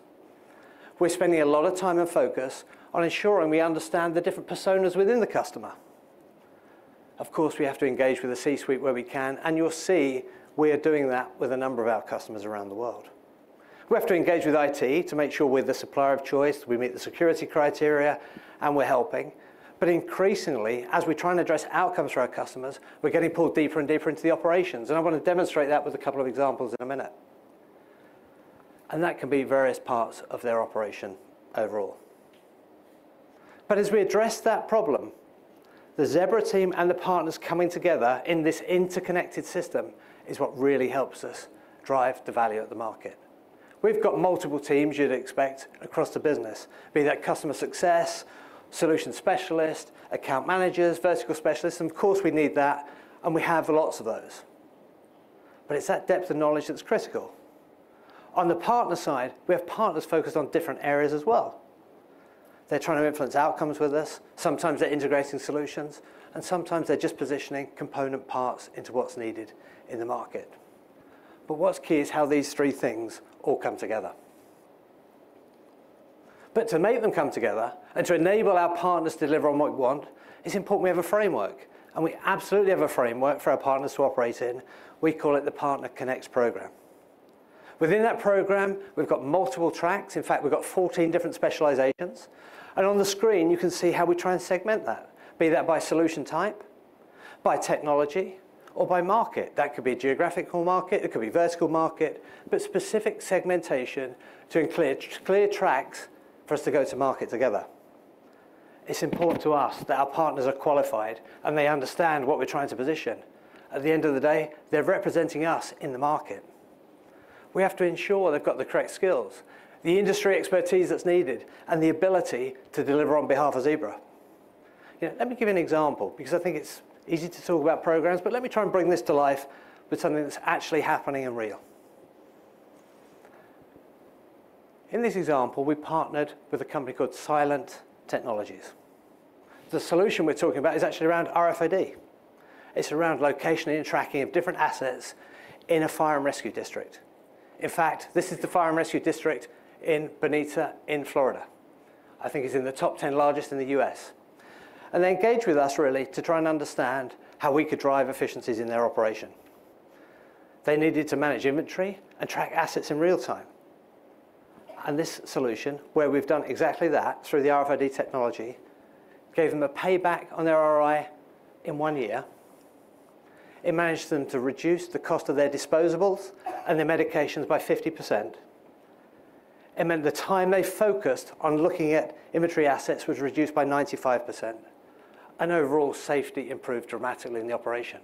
we're spending a lot of time and focus on ensuring we understand the different personas within the customer. Of course, we have to engage with the C-suite where we can. You'll see we are doing that with a number of our customers around the world. We have to engage with IT to make sure we're the supplier of choice, we meet the security criteria, and we're helping. But increasingly, as we try and address outcomes for our customers, we're getting pulled deeper and deeper into the operations. I want to demonstrate that with a couple of examples in a minute. That can be various parts of their operation overall. But as we address that problem, the Zebra team and the partners coming together in this interconnected system is what really helps us drive the value at the market. We've got multiple teams, you'd expect, across the business, be that customer success, solution specialist, account managers, vertical specialists. And of course, we need that. And we have lots of those. But it's that depth of knowledge that's critical. On the partner side, we have partners focused on different areas as well. They're trying to influence outcomes with us. Sometimes, they're integrating solutions. And sometimes, they're just positioning component parts into what's needed in the market. But what's key is how these three things all come together. But to make them come together and to enable our partners to deliver on what we want, it's important we have a framework. And we absolutely have a framework for our partners to operate in. We call it the PartnerConnect program. Within that program, we've got multiple tracks. In fact, we've got 14 different specializations. And on the screen, you can see how we try and segment that, be that by solution type, by technology, or by market. That could be a geographical market. It could be vertical market, but specific segmentation to include clear tracks for us to go to market together. It's important to us that our partners are qualified and they understand what we're trying to position. At the end of the day, they're representing us in the market. We have to ensure they've got the correct skills, the industry expertise that's needed, and the ability to deliver on behalf of Zebra. Let me give you an example because I think it's easy to talk about programs. But let me try and bring this to life with something that's actually happening and real. In this example, we partnered with a company called Silent Technologies. The solution we're talking about is actually around RFID. It's around location and tracking of different assets in a fire and rescue district. In fact, this is the fire and rescue district in Bonita Springs, in Florida. I think it's in the top 10 largest in the U.S. And they engaged with us, really, to try and understand how we could drive efficiencies in their operation. They needed to manage inventory and track assets in real time. And this solution, where we've done exactly that through the RFID technology, gave them a payback on their ROI in one year. It managed them to reduce the cost of their disposables and their medications by 50%. It meant the time they focused on looking at inventory assets was reduced by 95%. Overall, safety improved dramatically in the operation.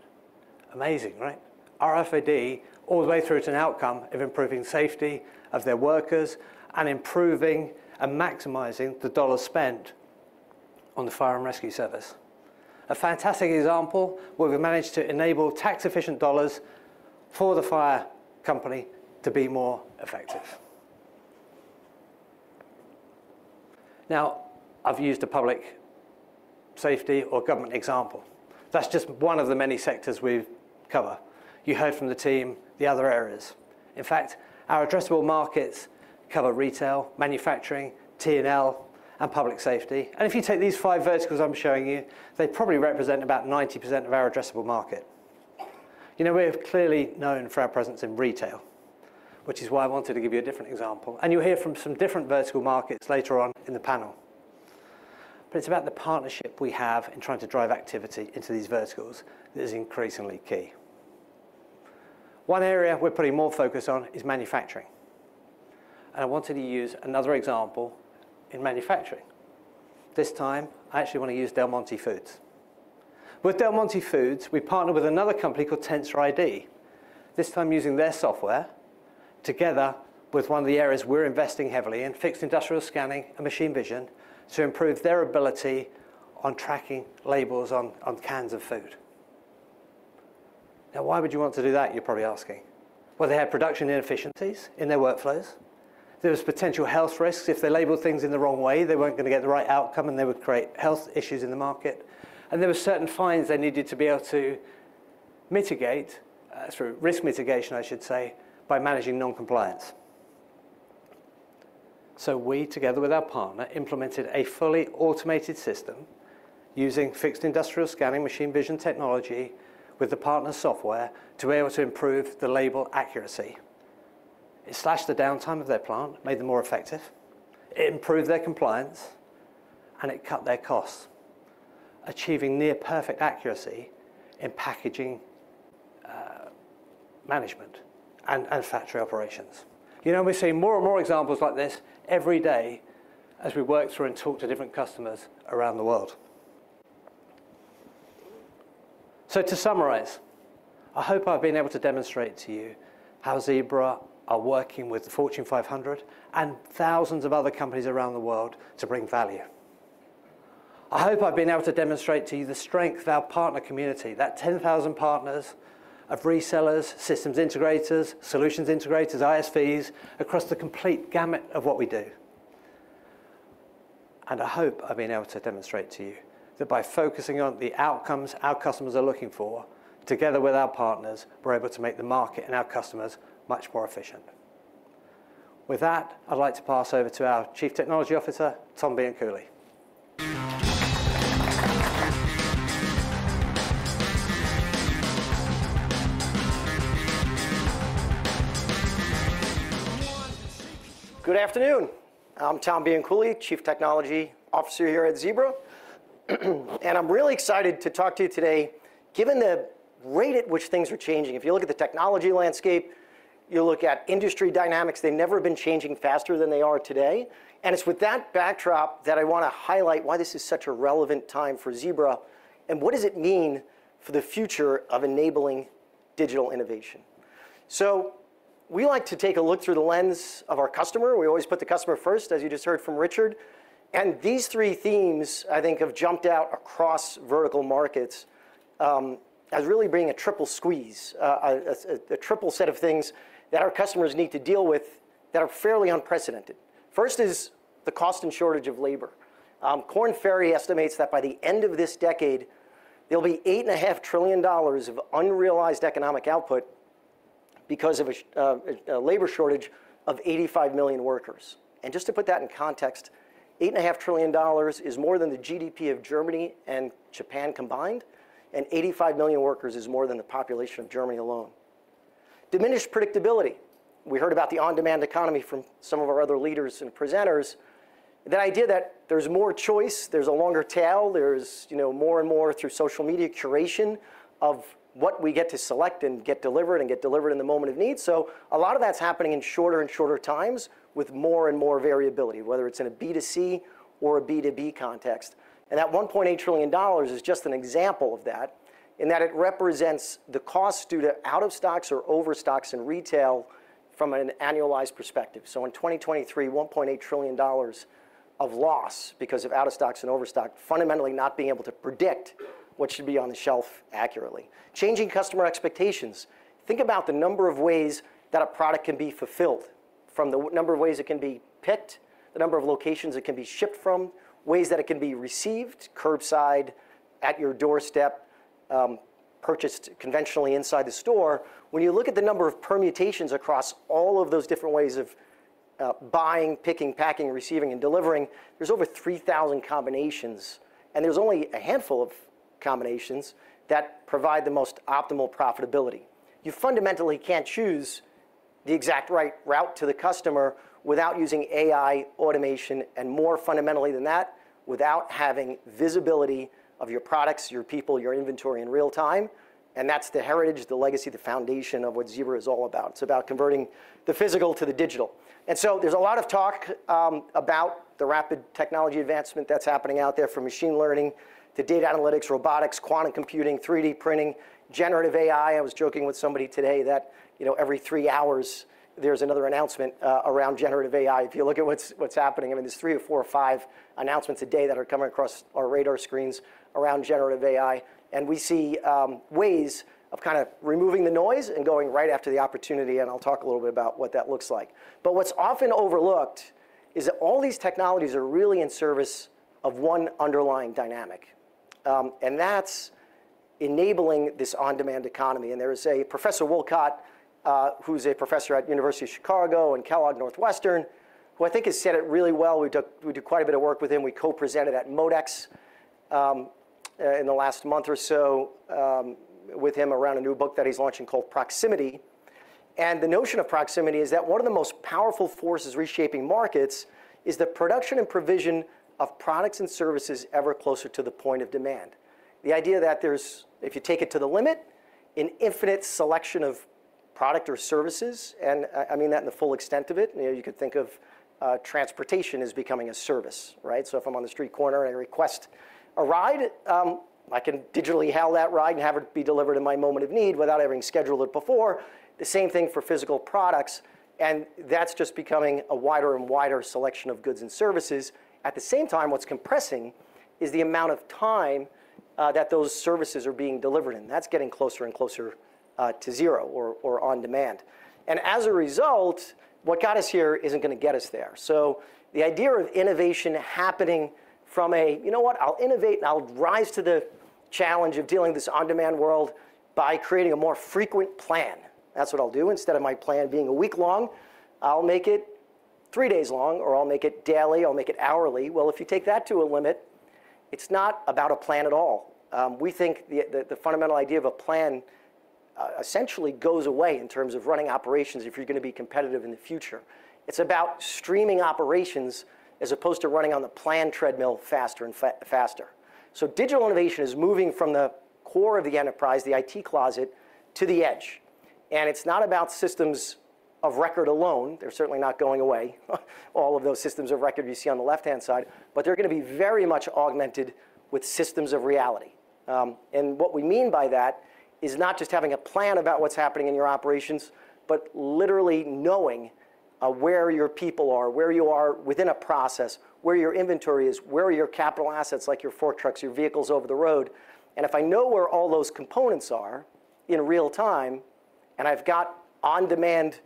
Amazing, right? RFID all the way through to an outcome of improving safety of their workers and improving and maximizing the dollars spent on the fire and rescue service. A fantastic example where we've managed to enable tax-efficient dollars for the fire company to be more effective. Now, I've used a public safety or government example. That's just one of the many sectors we cover. You heard from the team the other areas. In fact, our addressable markets cover retail, manufacturing, T&L, and public safety. If you take these five verticals I'm showing you, they probably represent about 90% of our addressable market. We're clearly known for our presence in retail, which is why I wanted to give you a different example. You'll hear from some different vertical markets later on in the panel. It's about the partnership we have in trying to drive activity into these verticals that is increasingly key. One area we're putting more focus on is manufacturing. I wanted to use another example in manufacturing. This time, I actually want to use Del Monte Foods. With Del Monte Foods, we partner with another company called TensorID, this time using their software together with one of the areas we're investing heavily in, fixed industrial scanning and machine vision, to improve their ability on tracking labels on cans of food. Now, why would you want to do that, you're probably asking? Well, they had production inefficiencies in their workflows. There was potential health risks. If they labeled things in the wrong way, they weren't going to get the right outcome. They would create health issues in the market. There were certain fines they needed to be able to mitigate through risk mitigation, I should say, by managing non-compliance. We, together with our partner, implemented a fully automated system using fixed industrial scanning machine vision technology with the partner's software to be able to improve the label accuracy. It slashed the downtime of their plant, made them more effective. It improved their compliance. It cut their costs, achieving near-perfect accuracy in packaging management and factory operations. We're seeing more and more examples like this every day as we work through and talk to different customers around the world. To summarize, I hope I've been able to demonstrate to you how Zebra are working with the Fortune 500 and thousands of other companies around the world to bring value. I hope I've been able to demonstrate to you the strength of our partner community, that 10,000 partners of resellers, systems integrators, solutions integrators, ISVs, across the complete gamut of what we do. I hope I've been able to demonstrate to you that by focusing on the outcomes our customers are looking for, together with our partners, we're able to make the market and our customers much more efficient. With that, I'd like to pass over to our Chief Technology Officer, Tom Bianculi. Good afternoon. I'm Tom Bianculi, Chief Technology Officer here at Zebra. I'm really excited to talk to you today, given the rate at which things are changing. If you look at the technology landscape, you look at industry dynamics, they've never been changing faster than they are today. It's with that backdrop that I want to highlight why this is such a relevant time for Zebra and what does it mean for the future of enabling digital innovation. We like to take a look through the lens of our customer. We always put the customer first, as you just heard from Richard. And these three themes, I think, have jumped out across vertical markets as really bringing a triple squeeze, a triple set of things that our customers need to deal with that are fairly unprecedented. First is the cost and shortage of labor. Korn Ferry estimates that by the end of this decade, there'll be $8.5 trillion of unrealized economic output because of a labor shortage of 85 million workers. And just to put that in context, $8.5 trillion is more than the GDP of Germany and Japan combined. 85 million workers is more than the population of Germany alone. Diminished predictability. We heard about the on-demand economy from some of our other leaders and presenters, that idea that there's more choice, there's a longer tail, there's more and more through social media curation of what we get to select and get delivered and get delivered in the moment of need. So a lot of that's happening in shorter and shorter times with more and more variability, whether it's in a B2C or a B2B context. That $1.8 trillion is just an example of that in that it represents the costs due to out-of-stocks or overstocks in retail from an annualized perspective. In 2023, $1.8 trillion of loss because of out-of-stocks and overstock, fundamentally not being able to predict what should be on the shelf accurately. Changing customer expectations. Think about the number of ways that a product can be fulfilled, from the number of ways it can be picked, the number of locations it can be shipped from, ways that it can be received, curbside, at your doorstep, purchased conventionally inside the store. When you look at the number of permutations across all of those different ways of buying, picking, packing, receiving, and delivering, there's over 3,000 combinations. There's only a handful of combinations that provide the most optimal profitability. You fundamentally can't choose the exact right route to the customer without using AI, automation, and more fundamentally than that, without having visibility of your products, your people, your inventory in real time. That's the heritage, the legacy, the foundation of what Zebra is all about. It's about converting the physical to the digital. And so there's a lot of talk about the rapid technology advancement that's happening out there, from machine learning to data analytics, robotics, quantum computing, 3D printing, generative AI. I was joking with somebody today that every three hours, there's another announcement around generative AI. If you look at what's happening, I mean, there's three or four or five announcements a day that are coming across our radar screens around generative AI. And we see ways of kind of removing the noise and going right after the opportunity. And I'll talk a little bit about what that looks like. But what's often overlooked is that all these technologies are really in service of one underlying dynamic. And that's enabling this on-demand economy. And there is a Professor Wolcott, who's a professor at the University of Chicago and Kellogg Northwestern, who I think has said it really well. We do quite a bit of work with him. We co-presented at MODEX in the last month or so with him around a new book that he's launching called Proximity. And the notion of Proximity is that one of the most powerful forces reshaping markets is the production and provision of products and services ever closer to the point of demand. The idea that there's, if you take it to the limit, an infinite selection of product or services and I mean that in the full extent of it. You could think of transportation as becoming a service, right? So if I'm on the street corner and I request a ride, I can digitally hail that ride and have it be delivered in my moment of need without ever having scheduled it before. The same thing for physical products. And that's just becoming a wider and wider selection of goods and services. At the same time, what's compressing is the amount of time that those services are being delivered in. That's getting closer and closer to zero or on demand. And as a result, what got us here isn't going to get us there. So the idea of innovation happening from a, you know what, I'll innovate. And I'll rise to the challenge of dealing with this on-demand world by creating a more frequent plan. That's what I'll do. Instead of my plan being a week long, I'll make it three days long. Or I'll make it daily. I'll make it hourly. Well, if you take that to a limit, it's not about a plan at all. We think the fundamental idea of a plan essentially goes away in terms of running operations if you're going to be competitive in the future. It's about streaming operations as opposed to running on the plan treadmill faster and faster. So digital innovation is moving from the core of the enterprise, the IT closet, to the edge. And it's not about systems of record alone. They're certainly not going away, all of those systems of record you see on the left-hand side. But they're going to be very much augmented with systems of reality. And what we mean by that is not just having a plan about what's happening in your operations, but literally knowing where your people are, where you are within a process, where your inventory is, where your capital assets, like your fork trucks, your vehicles over the road. And if I know where all those components are in real time and I've got on-demand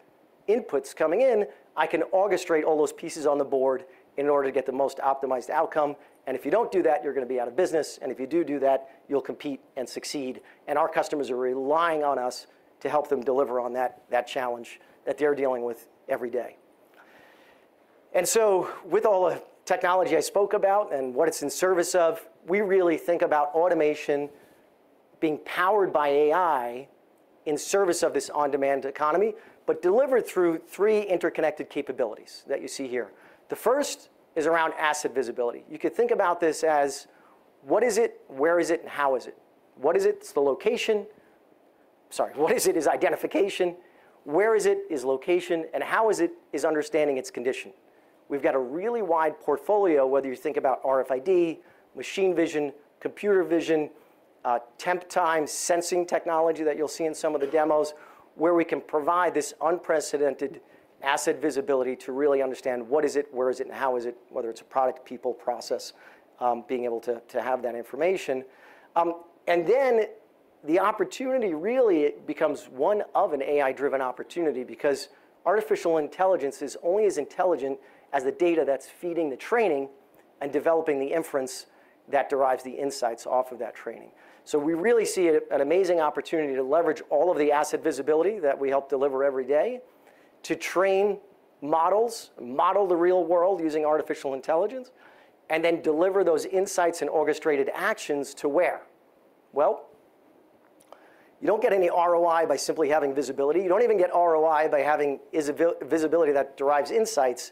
inputs coming in, I can orchestrate all those pieces on the board in order to get the most optimized outcome. And if you don't do that, you're going to be out of business. And if you do do that, you'll compete and succeed. And our customers are relying on us to help them deliver on that challenge that they're dealing with every day. And so with all the technology I spoke about and what it's in service of, we really think about automation being powered by AI in service of this on-demand economy, but delivered through three interconnected capabilities that you see here. The first is around asset visibility. You could think about this as, what is it, where is it, and how is it? What is it? It's the location. Sorry. What is it? It's identification. Where is it? It's location. And how is it? It's understanding its condition. We've got a really wide portfolio, whether you think about RFID, machine vision, computer vision, Temptime sensing technology that you'll see in some of the demos, where we can provide this unprecedented asset visibility to really understand what is it, where is it, and how is it, whether it's a product, people, process, being able to have that information. And then the opportunity, really, it becomes one of an AI-driven opportunity because artificial intelligence is only as intelligent as the data that's feeding the training and developing the inference that derives the insights off of that training. So we really see it as an amazing opportunity to leverage all of the asset visibility that we help deliver every day to train models, model the real world using artificial intelligence, and then deliver those insights and orchestrated actions to where? Well, you don't get any ROI by simply having visibility. You don't even get ROI by having visibility that derives insights.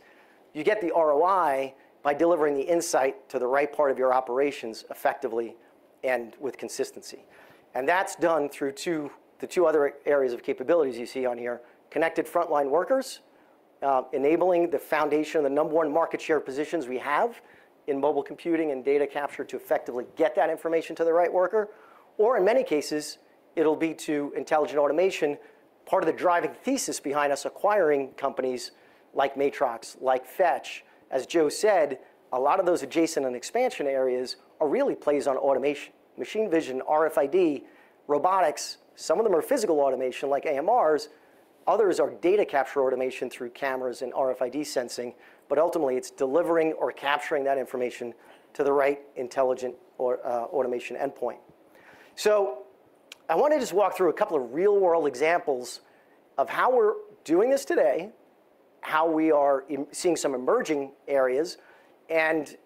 You get the ROI by delivering the insight to the right part of your operations effectively and with consistency. And that's done through the two other areas of capabilities you see on here, connected frontline workers, enabling the foundation of the number one market share positions we have in mobile computing and data capture to effectively get that information to the right worker. Or in many cases, it'll be to intelligent automation, part of the driving thesis behind us acquiring companies like Matrox, like Fetch. As Joe said, a lot of those adjacent and expansion areas really play on automation, machine vision, RFID, robotics. Some of them are physical automation, like AMRs. Others are data capture automation through cameras and RFID sensing. But ultimately, it's delivering or capturing that information to the right intelligent automation endpoint. So I want to just walk through a couple of real-world examples of how we're doing this today, how we are seeing some emerging areas, and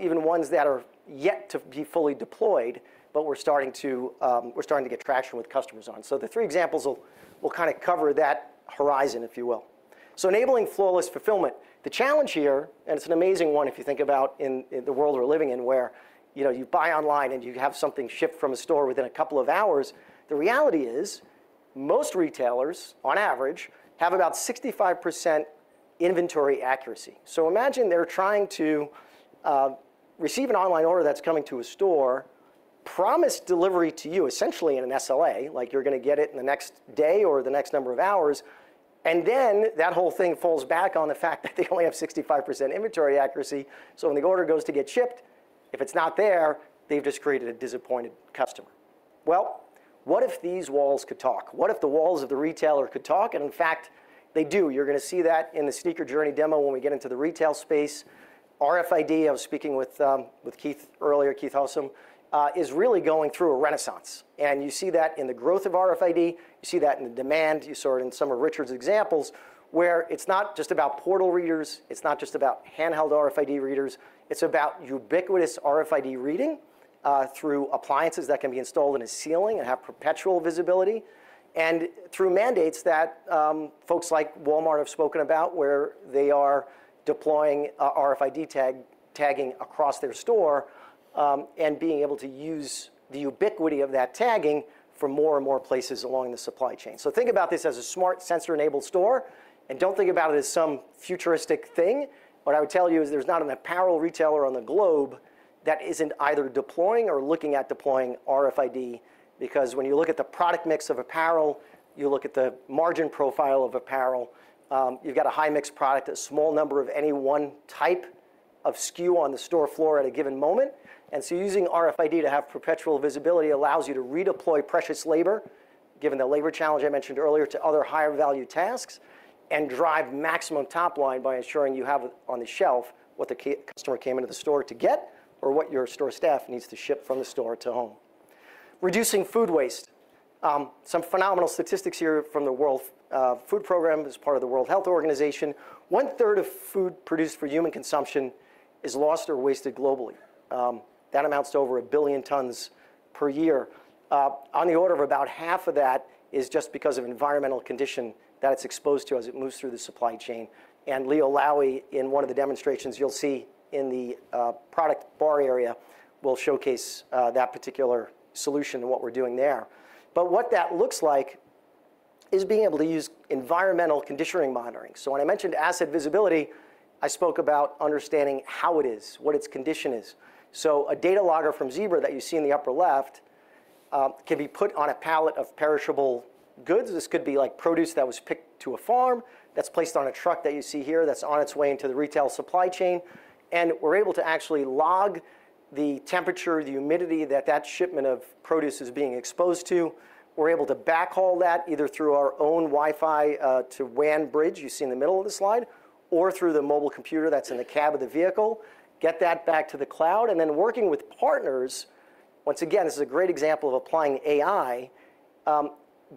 even ones that are yet to be fully deployed, but we're starting to get traction with customers on. So the three examples will kind of cover that horizon, if you will. So enabling flawless fulfillment. The challenge here, and it's an amazing one if you think about the world we're living in, where you buy online and you have something shipped from a store within a couple of hours, the reality is most retailers, on average, have about 65% inventory accuracy. So imagine they're trying to receive an online order that's coming to a store, promise delivery to you, essentially in an SLA, like you're going to get it in the next day or the next number of hours. And then that whole thing falls back on the fact that they only have 65% inventory accuracy. So when the order goes to get shipped, if it's not there, they've just created a disappointed customer. Well, what if these walls could talk? What if the walls of the retailer could talk? And in fact, they do. You're going to see that in the Sneaker Journey demo when we get into the retail space. RFID, I was speaking with Keith earlier, Keith Housum, is really going through a renaissance. And you see that in the growth of RFID. You see that in the demand. You saw it in some of Richard's examples, where it's not just about portal readers. It's not just about handheld RFID readers. It's about ubiquitous RFID reading through appliances that can be installed in a ceiling and have perpetual visibility, and through mandates that folks like Walmart have spoken about, where they are deploying RFID tagging across their store and being able to use the ubiquity of that tagging for more and more places along the supply chain. So think about this as a smart sensor-enabled store. And don't think about it as some futuristic thing. What I would tell you is there's not an apparel retailer on the globe that isn't either deploying or looking at deploying RFID. Because when you look at the product mix of apparel, you look at the margin profile of apparel. You've got a high-mixed product, a small number of any one type of SKU on the store floor at a given moment. And so using RFID to have perpetual visibility allows you to redeploy precious labor, given the labor challenge I mentioned earlier, to other higher-value tasks and drive maximum top line by ensuring you have on the shelf what the customer came into the store to get or what your store staff needs to ship from the store to home. Reducing food waste. Some phenomenal statistics here from the World Food Programme as part of the World Health Organization. 1/3 of food produced for human consumption is lost or wasted globally. That amounts to over 1 billion tons per year. On the order of about half of that is just because of environmental condition that it's exposed to as it moves through the supply chain. And Leo Lowy, in one of the demonstrations you'll see in the product bar area, will showcase that particular solution and what we're doing there. But what that looks like is being able to use environmental conditioning monitoring. So when I mentioned asset visibility, I spoke about understanding how it is, what its condition is. So a data logger from Zebra that you see in the upper left can be put on a pallet of perishable goods. This could be like produce that was picked to a farm that's placed on a truck that you see here that's on its way into the retail supply chain. We're able to actually log the temperature, the humidity that that shipment of produce is being exposed to. We're able to backhaul that either through our own Wi-Fi to WAN bridge you see in the middle of the slide or through the mobile computer that's in the cab of the vehicle, get that back to the cloud. Then working with partners, once again, this is a great example of applying AI,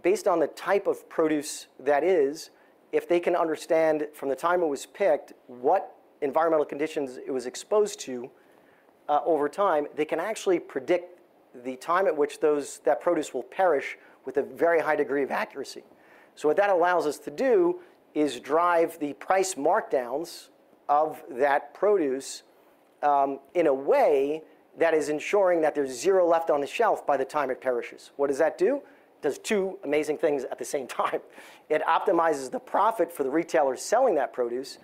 based on the type of produce that is, if they can understand from the time it was picked what environmental conditions it was exposed to over time, they can actually predict the time at which that produce will perish with a very high degree of accuracy. So what that allows us to do is drive the price markdowns of that produce in a way that is ensuring that there's zero left on the shelf by the time it perishes. What does that do? It does two amazing things at the same time. It optimizes the profit for the retailer selling that produce.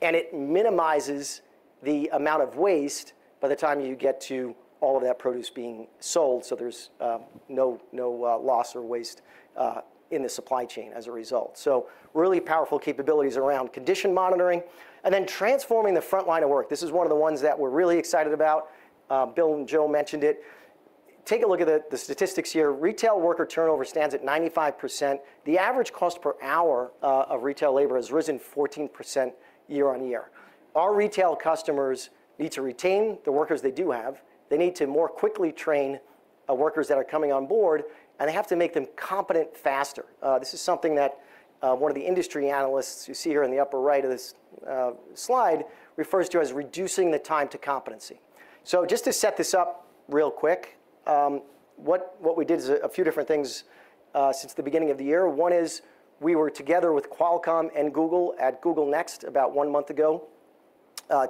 And it minimizes the amount of waste by the time you get to all of that produce being sold. So there's no loss or waste in the supply chain as a result. So really powerful capabilities around condition monitoring and then transforming the front line of work. This is one of the ones that we're really excited about. Bill and Joe mentioned it. Take a look at the statistics here. Retail worker turnover stands at 95%. The average cost per hour of retail labor has risen 14% year-over-year. Our retail customers need to retain the workers they do have. They need to more quickly train workers that are coming on board. And they have to make them competent faster. This is something that one of the industry analysts you see here in the upper right of this slide refers to as reducing the time to competency. So just to set this up real quick, what we did is a few different things since the beginning of the year. One is we were together with Qualcomm and Google at Google Next about one month ago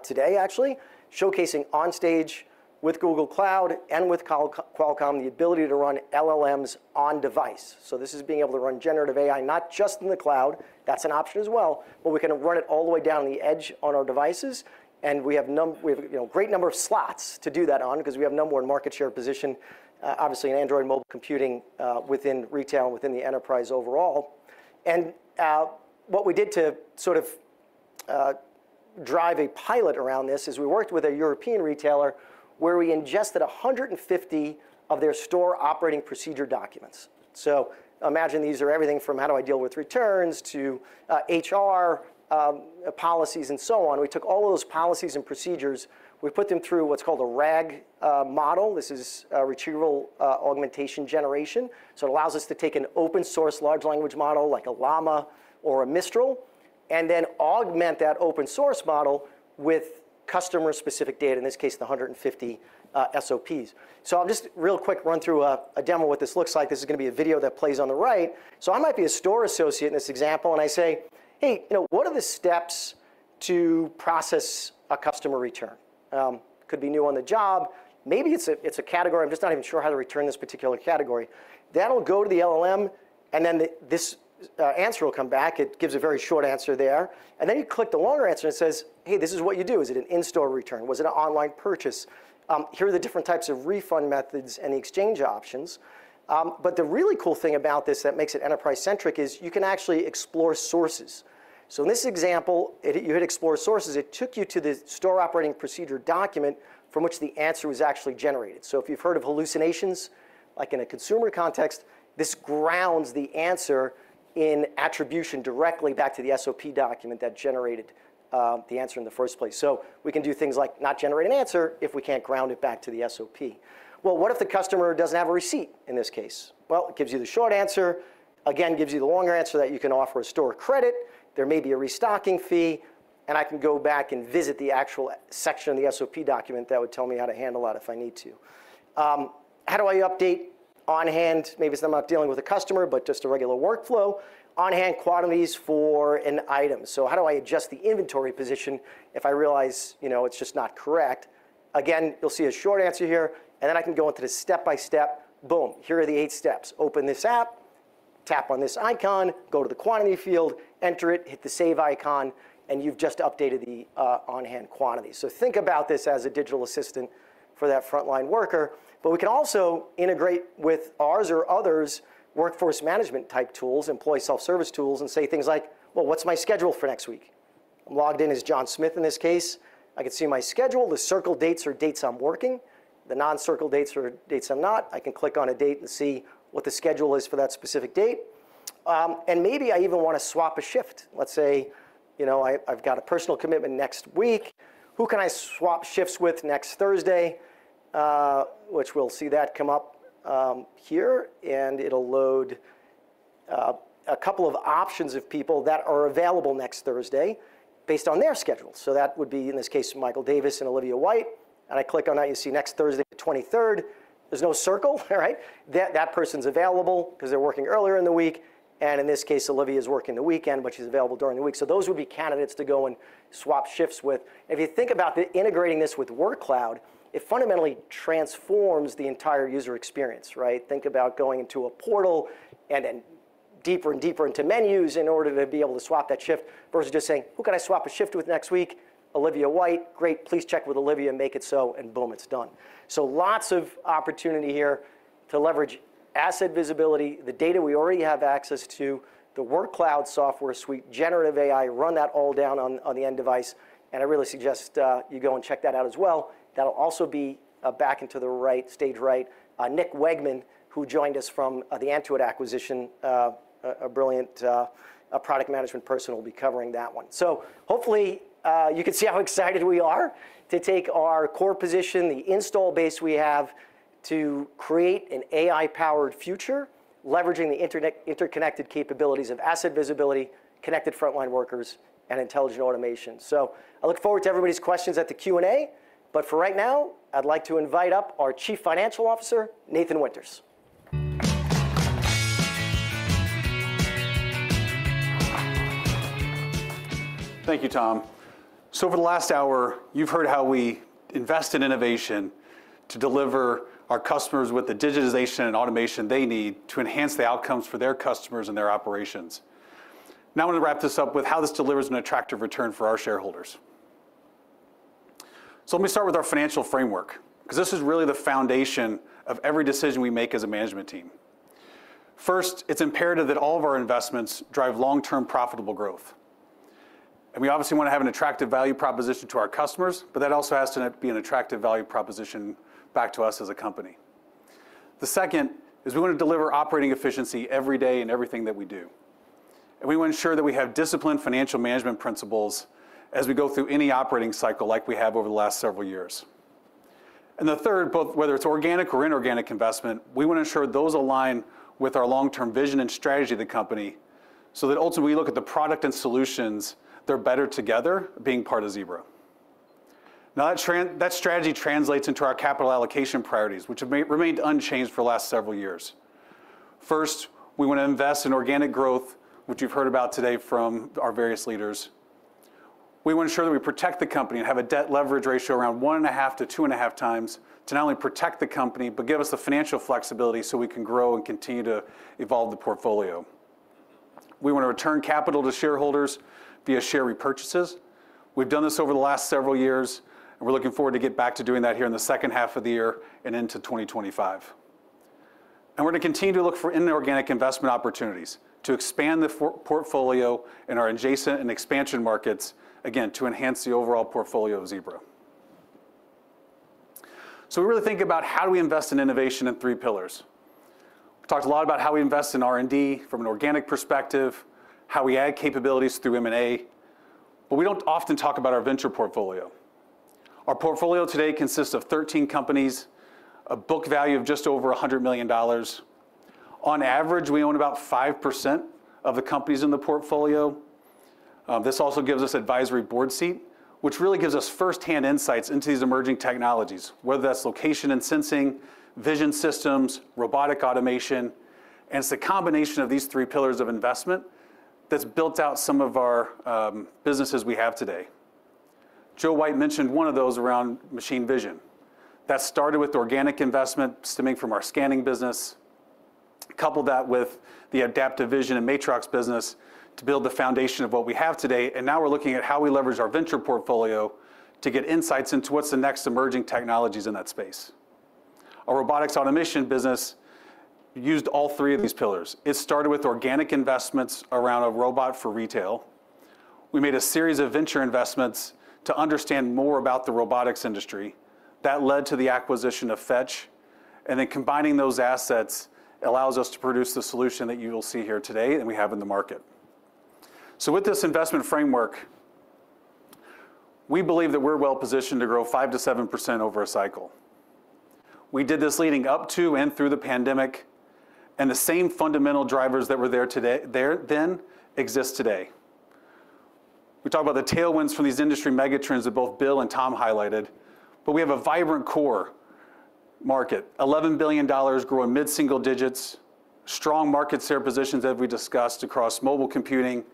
today, actually, showcasing on stage with Google Cloud and with Qualcomm the ability to run LLMs on device. So this is being able to run generative AI not just in the cloud. That's an option as well. But we can run it all the way down the edge on our devices. And we have a great number of slots to do that on because we have no more market share position, obviously, in Android mobile computing within retail and within the enterprise overall. And what we did to sort of drive a pilot around this is we worked with a European retailer where we ingested 150 of their store operating procedure documents. So imagine these are everything from how do I deal with returns to HR policies and so on. We took all of those policies and procedures. We put them through what's called a RAG model. This is Retrieval-Augmented Generation. So it allows us to take an open source large language model like a LLaMA or a Mistral and then augment that open source model with customer-specific data, in this case, the 150 SOPs. So I'll just real quick run through a demo of what this looks like. This is going to be a video that plays on the right. So I might be a store associate in this example. And I say, hey, what are the steps to process a customer return? It could be new on the job. Maybe it's a category. I'm just not even sure how to return this particular category. That'll go to the LLM. And then this answer will come back. It gives a very short answer there. And then you click the longer answer. And it says, hey, this is what you do. Is it an in-store return? Was it an online purchase? Here are the different types of refund methods and the exchange options. But the really cool thing about this that makes it enterprise-centric is you can actually explore sources. So in this example, you hit explore sources. It took you to the store operating procedure document from which the answer was actually generated. So if you've heard of hallucinations, like in a consumer context, this grounds the answer in attribution directly back to the SOP document that generated the answer in the first place. So we can do things like not generate an answer if we can't ground it back to the SOP. Well, what if the customer doesn't have a receipt, in this case? Well, it gives you the short answer. Again, it gives you the longer answer that you can offer a store credit. There may be a restocking fee. And I can go back and visit the actual section of the SOP document that would tell me how to handle that if I need to. How do I update on hand? Maybe it's not about dealing with a customer, but just a regular workflow, on hand quantities for an item. So how do I adjust the inventory position if I realize it's just not correct? Again, you'll see a short answer here. And then I can go into the step-by-step. Boom. Here are the eight steps. Open this app. Tap on this icon. Go to the quantity field. Enter it. Hit the save icon. And you've just updated the on hand quantity. So think about this as a digital assistant for that front line worker. But we can also integrate with ours or others' workforce management type tools, employee self-service tools, and say things like, well, what's my schedule for next week? I'm logged in as John Smith, in this case. I can see my schedule. The circled dates are dates I'm working. The non-circled dates are dates I'm not. I can click on a date and see what the schedule is for that specific date. Maybe I even want to swap a shift. Let's say I've got a personal commitment next week. Who can I swap shifts with next Thursday? Which we'll see that come up here. It'll load a couple of options of people that are available next Thursday based on their schedules. So that would be, in this case, Michael Davis and Olivia White. I click on that. You see next Thursday, the 23rd. There's no circle. That person's available because they're working earlier in the week. In this case, Olivia is working the weekend, but she's available during the week. So those would be candidates to go and swap shifts with. If you think about integrating this with Workcloud, it fundamentally transforms the entire user experience. Think about going into a portal and then deeper and deeper into menus in order to be able to swap that shift versus just saying, "Who can I swap a shift with next week? Olivia White. Great. Please check with Olivia and make it so." And boom, it's done. So lots of opportunity here to leverage asset visibility, the data we already have access to, the Workcloud software suite, generative AI, run that all down on the end device. And I really suggest you go and check that out as well. That'll also be back into the right stage right. Nick Wegman, who joined us from the Antuit acquisition, a brilliant product management person, will be covering that one. So hopefully, you can see how excited we are to take our core position, the install base we have, to create an AI-powered future leveraging the interconnected capabilities of asset visibility, connected front line workers, and intelligent automation. So I look forward to everybody's questions at the Q&A. But for right now, I'd like to invite up our Chief Financial Officer, Nathan Winters. Thank you, Tom. So over the last hour, you've heard how we invest in innovation to deliver our customers with the digitization and automation they need to enhance the outcomes for their customers and their operations. Now I'm going to wrap this up with how this delivers an attractive return for our shareholders. So let me start with our financial framework because this is really the foundation of every decision we make as a management team. First, it's imperative that all of our investments drive long-term profitable growth. And we obviously want to have an attractive value proposition to our customers. But that also has to be an attractive value proposition back to us as a company. The second is we want to deliver operating efficiency every day in everything that we do. We want to ensure that we have disciplined financial management principles as we go through any operating cycle like we have over the last several years. And the third, whether it's organic or inorganic investment, we want to ensure those align with our long-term vision and strategy of the company so that ultimately, we look at the product and solutions. They're better together being part of Zebra. Now, that strategy translates into our capital allocation priorities, which have remained unchanged for the last several years. First, we want to invest in organic growth, which you've heard about today from our various leaders. We want to ensure that we protect the company and have a debt leverage ratio around 1.5-2.5x to not only protect the company but give us the financial flexibility so we can grow and continue to evolve the portfolio. We want to return capital to shareholders via share repurchases. We've done this over the last several years. We're looking forward to get back to doing that here in the second half of the year and into 2025. We're going to continue to look for inorganic investment opportunities to expand the portfolio in our adjacent and expansion markets, again, to enhance the overall portfolio of Zebra. We really think about how do we invest in innovation in three pillars. We talked a lot about how we invest in R&D from an organic perspective, how we add capabilities through M&A. But we don't often talk about our venture portfolio. Our portfolio today consists of 13 companies, a book value of just over $100 million. On average, we own about 5% of the companies in the portfolio. This also gives us advisory board seat, which really gives us firsthand insights into these emerging technologies, whether that's location and sensing, vision systems, robotic automation. It's the combination of these three pillars of investment that's built out some of our businesses we have today. Joe White mentioned one of those around machine vision. That started with organic investment, stemming from our scanning business, coupled that with the Adaptive Vision and Matrox business to build the foundation of what we have today. Now we're looking at how we leverage our venture portfolio to get insights into what's the next emerging technologies in that space. Our robotics automation business used all three of these pillars. It started with organic investments around a robot for retail. We made a series of venture investments to understand more about the robotics industry. That led to the acquisition of Fetch. And then combining those assets allows us to produce the solution that you will see here today that we have in the market. So with this investment framework, we believe that we're well positioned to grow 5%-7% over a cycle. We did this leading up to and through the pandemic. And the same fundamental drivers that were there then exist today. We talk about the tailwinds from these industry megatrends that both Bill and Tom highlighted. But we have a vibrant core market, $11 billion growing mid-single digits, strong market share positions that we discussed across mobile computing,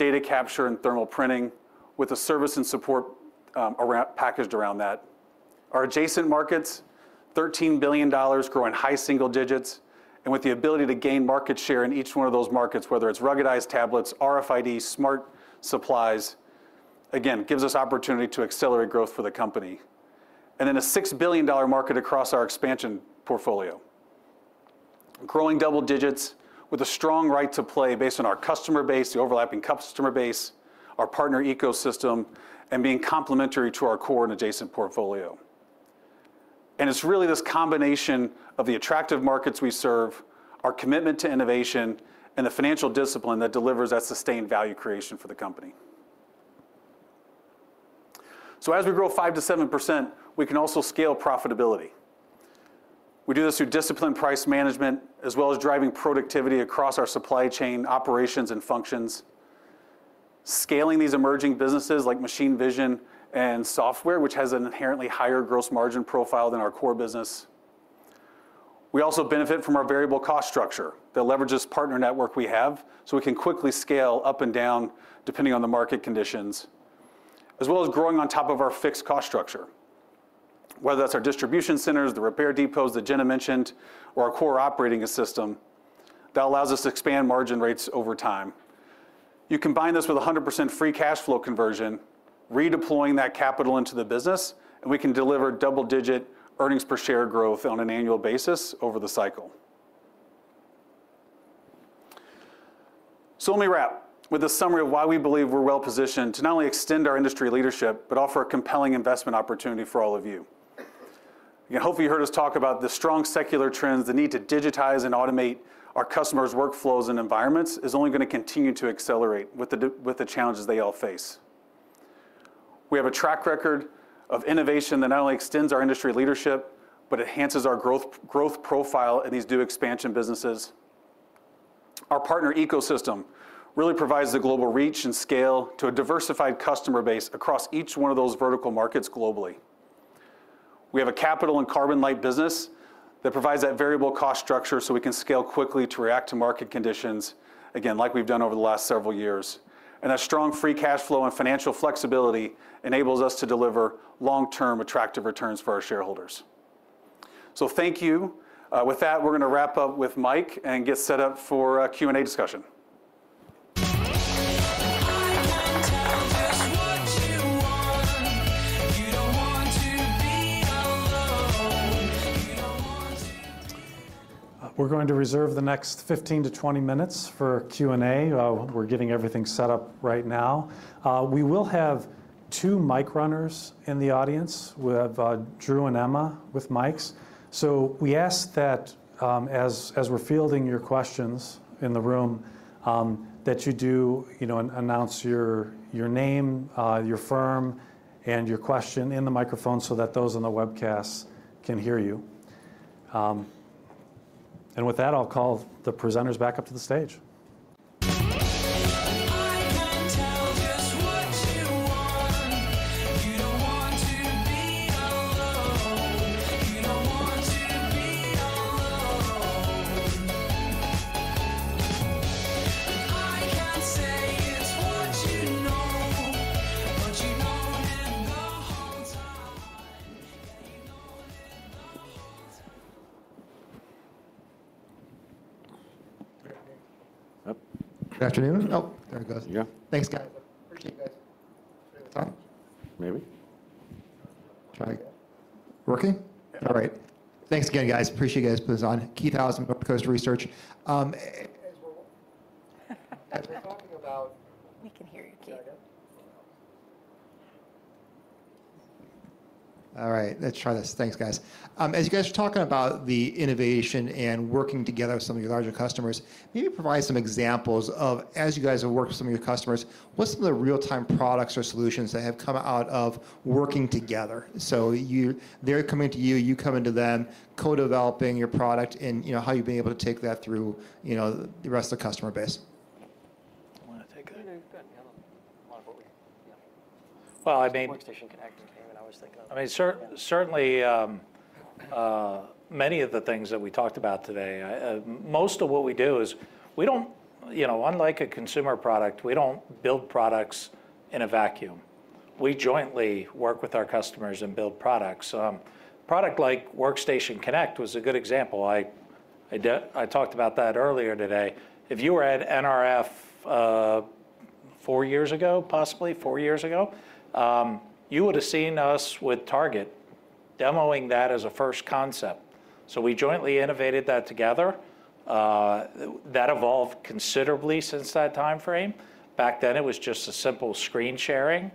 data capture, and thermal printing with a service and support packaged around that. Our adjacent markets, $13 billion growing high single digits and with the ability to gain market share in each one of those markets, whether it's ruggedized tablets, RFID, smart supplies, again, gives us opportunity to accelerate growth for the company. And then a $6 billion market across our expansion portfolio, growing double digits with a strong right to play based on our customer base, the overlapping customer base, our partner ecosystem, and being complementary to our core and adjacent portfolio. And it's really this combination of the attractive markets we serve, our commitment to innovation, and the financial discipline that delivers that sustained value creation for the company. So as we grow 5%-7%, we can also scale profitability. We do this through disciplined price management as well as driving productivity across our supply chain, operations, and functions, scaling these emerging businesses like machine vision and software, which has an inherently higher gross margin profile than our core business. We also benefit from our variable cost structure that leverages partner network we have so we can quickly scale up and down depending on the market conditions, as well as growing on top of our fixed cost structure, whether that's our distribution centers, the repair depots that Jenna mentioned, or our core operating system that allows us to expand margin rates over time. You combine this with 100% free cash flow conversion, redeploying that capital into the business. We can deliver double-digit earnings per share growth on an annual basis over the cycle. Let me wrap with a summary of why we believe we're well positioned to not only extend our industry leadership but offer a compelling investment opportunity for all of you. Again, hopefully, you heard us talk about the strong secular trends. The need to digitize and automate our customers' workflows and environments is only going to continue to accelerate with the challenges they all face. We have a track record of innovation that not only extends our industry leadership but enhances our growth profile in these new expansion businesses. Our partner ecosystem really provides the global reach and scale to a diversified customer base across each one of those vertical markets globally. We have a capital and carbon light business that provides that variable cost structure so we can scale quickly to react to market conditions, again, like we've done over the last several years. That strong free cash flow and financial flexibility enables us to deliver long-term attractive returns for our shareholders. So thank you. With that, we're going to wrap up with Mike and get set up for Q&A discussion. We're going to reserve the next 15-20 minutes for Q&A. We're getting everything set up right now. We will have two mic runners in the audience. We have Drew and Emma with mics. So we ask that as we're fielding your questions in the room, that you do announce your name, your firm, and your question in the microphone so that those on the webcast can hear you. With that, I'll call the presenters back up to the stage. Working? All right. Thanks again, guys. Appreciate you guys putting this on. Keith Housum, Northcoast Research. As we're talking about. We can hear you, Keith. All right. Let's try this. Thanks, guys. As you guys were talking about the innovation and working together with some of your larger customers, maybe provide some examples of, as you guys have worked with some of your customers, what's some of the real-time products or solutions that have come out of working together? So they're coming to you, you coming to them, co-developing your product, and how you've been able to take that through the rest of the customer base. I want to take that. You know, you've gotten a lot of what we yeah. Well, I mean. Workstation Connect and Payment. I was thinking of. I mean, certainly, many of the things that we talked about today, most of what we do is we don't, unlike a consumer product, build products in a vacuum. We jointly work with our customers and build products. A product like Workstation Connect was a good example. I talked about that earlier today. If you were at NRF four years ago, possibly four years ago, you would have seen us with Target demoing that as a first concept. So we jointly innovated that together. That evolved considerably since that time frame. Back then, it was just a simple screen sharing.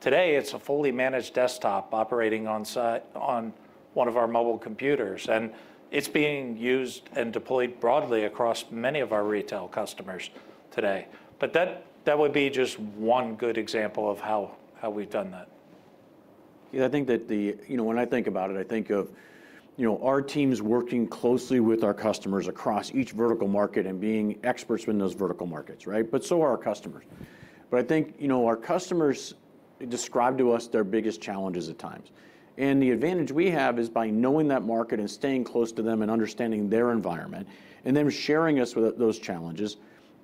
Today, it's a fully managed desktop operating on one of our mobile computers. And it's being used and deployed broadly across many of our retail customers today. But that would be just one good example of how we've done that. Keith, I think that when I think about it, I think of our teams working closely with our customers across each vertical market and being experts in those vertical markets, right? But so are our customers. I think our customers describe to us their biggest challenges at times. The advantage we have is by knowing that market and staying close to them and understanding their environment and them sharing us with those challenges,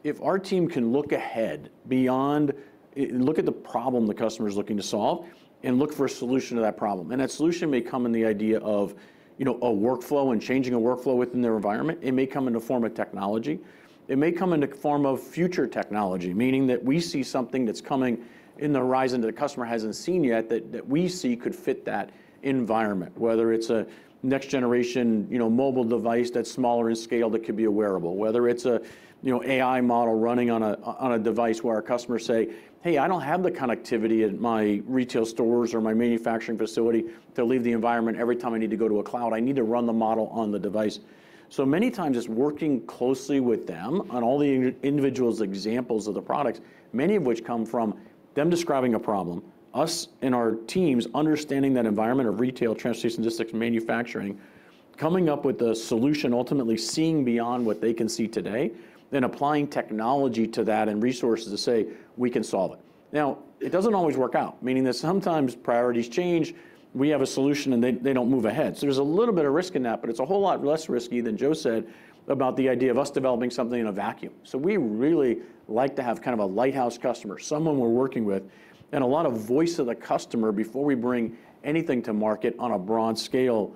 if our team can look ahead beyond look at the problem the customer is looking to solve and look for a solution to that problem. That solution may come in the idea of a workflow and changing a workflow within their environment. It may come in the form of technology. It may come in the form of future technology, meaning that we see something that's coming in the horizon that a customer hasn't seen yet that we see could fit that environment, whether it's a next-generation mobile device that's smaller in scale that could be a wearable, whether it's an AI model running on a device where our customers say, "Hey, I don't have the connectivity at my retail stores or my manufacturing facility to leave the environment every time I need to go to a cloud. I need to run the model on the device." So many times, it's working closely with them on all the individuals' examples of the products, many of which come from them describing a problem, us and our teams understanding that environment of retail, transportation, logistics, manufacturing, coming up with a solution, ultimately seeing beyond what they can see today, and applying technology to that and resources to say, "We can solve it." Now, it doesn't always work out, meaning that sometimes priorities change. We have a solution, and they don't move ahead. So there's a little bit of risk in that. But it's a whole lot less risky than Joe said about the idea of us developing something in a vacuum. We really like to have kind of a lighthouse customer, someone we're working with, and a lot of voice of the customer before we bring anything to market on a broad scale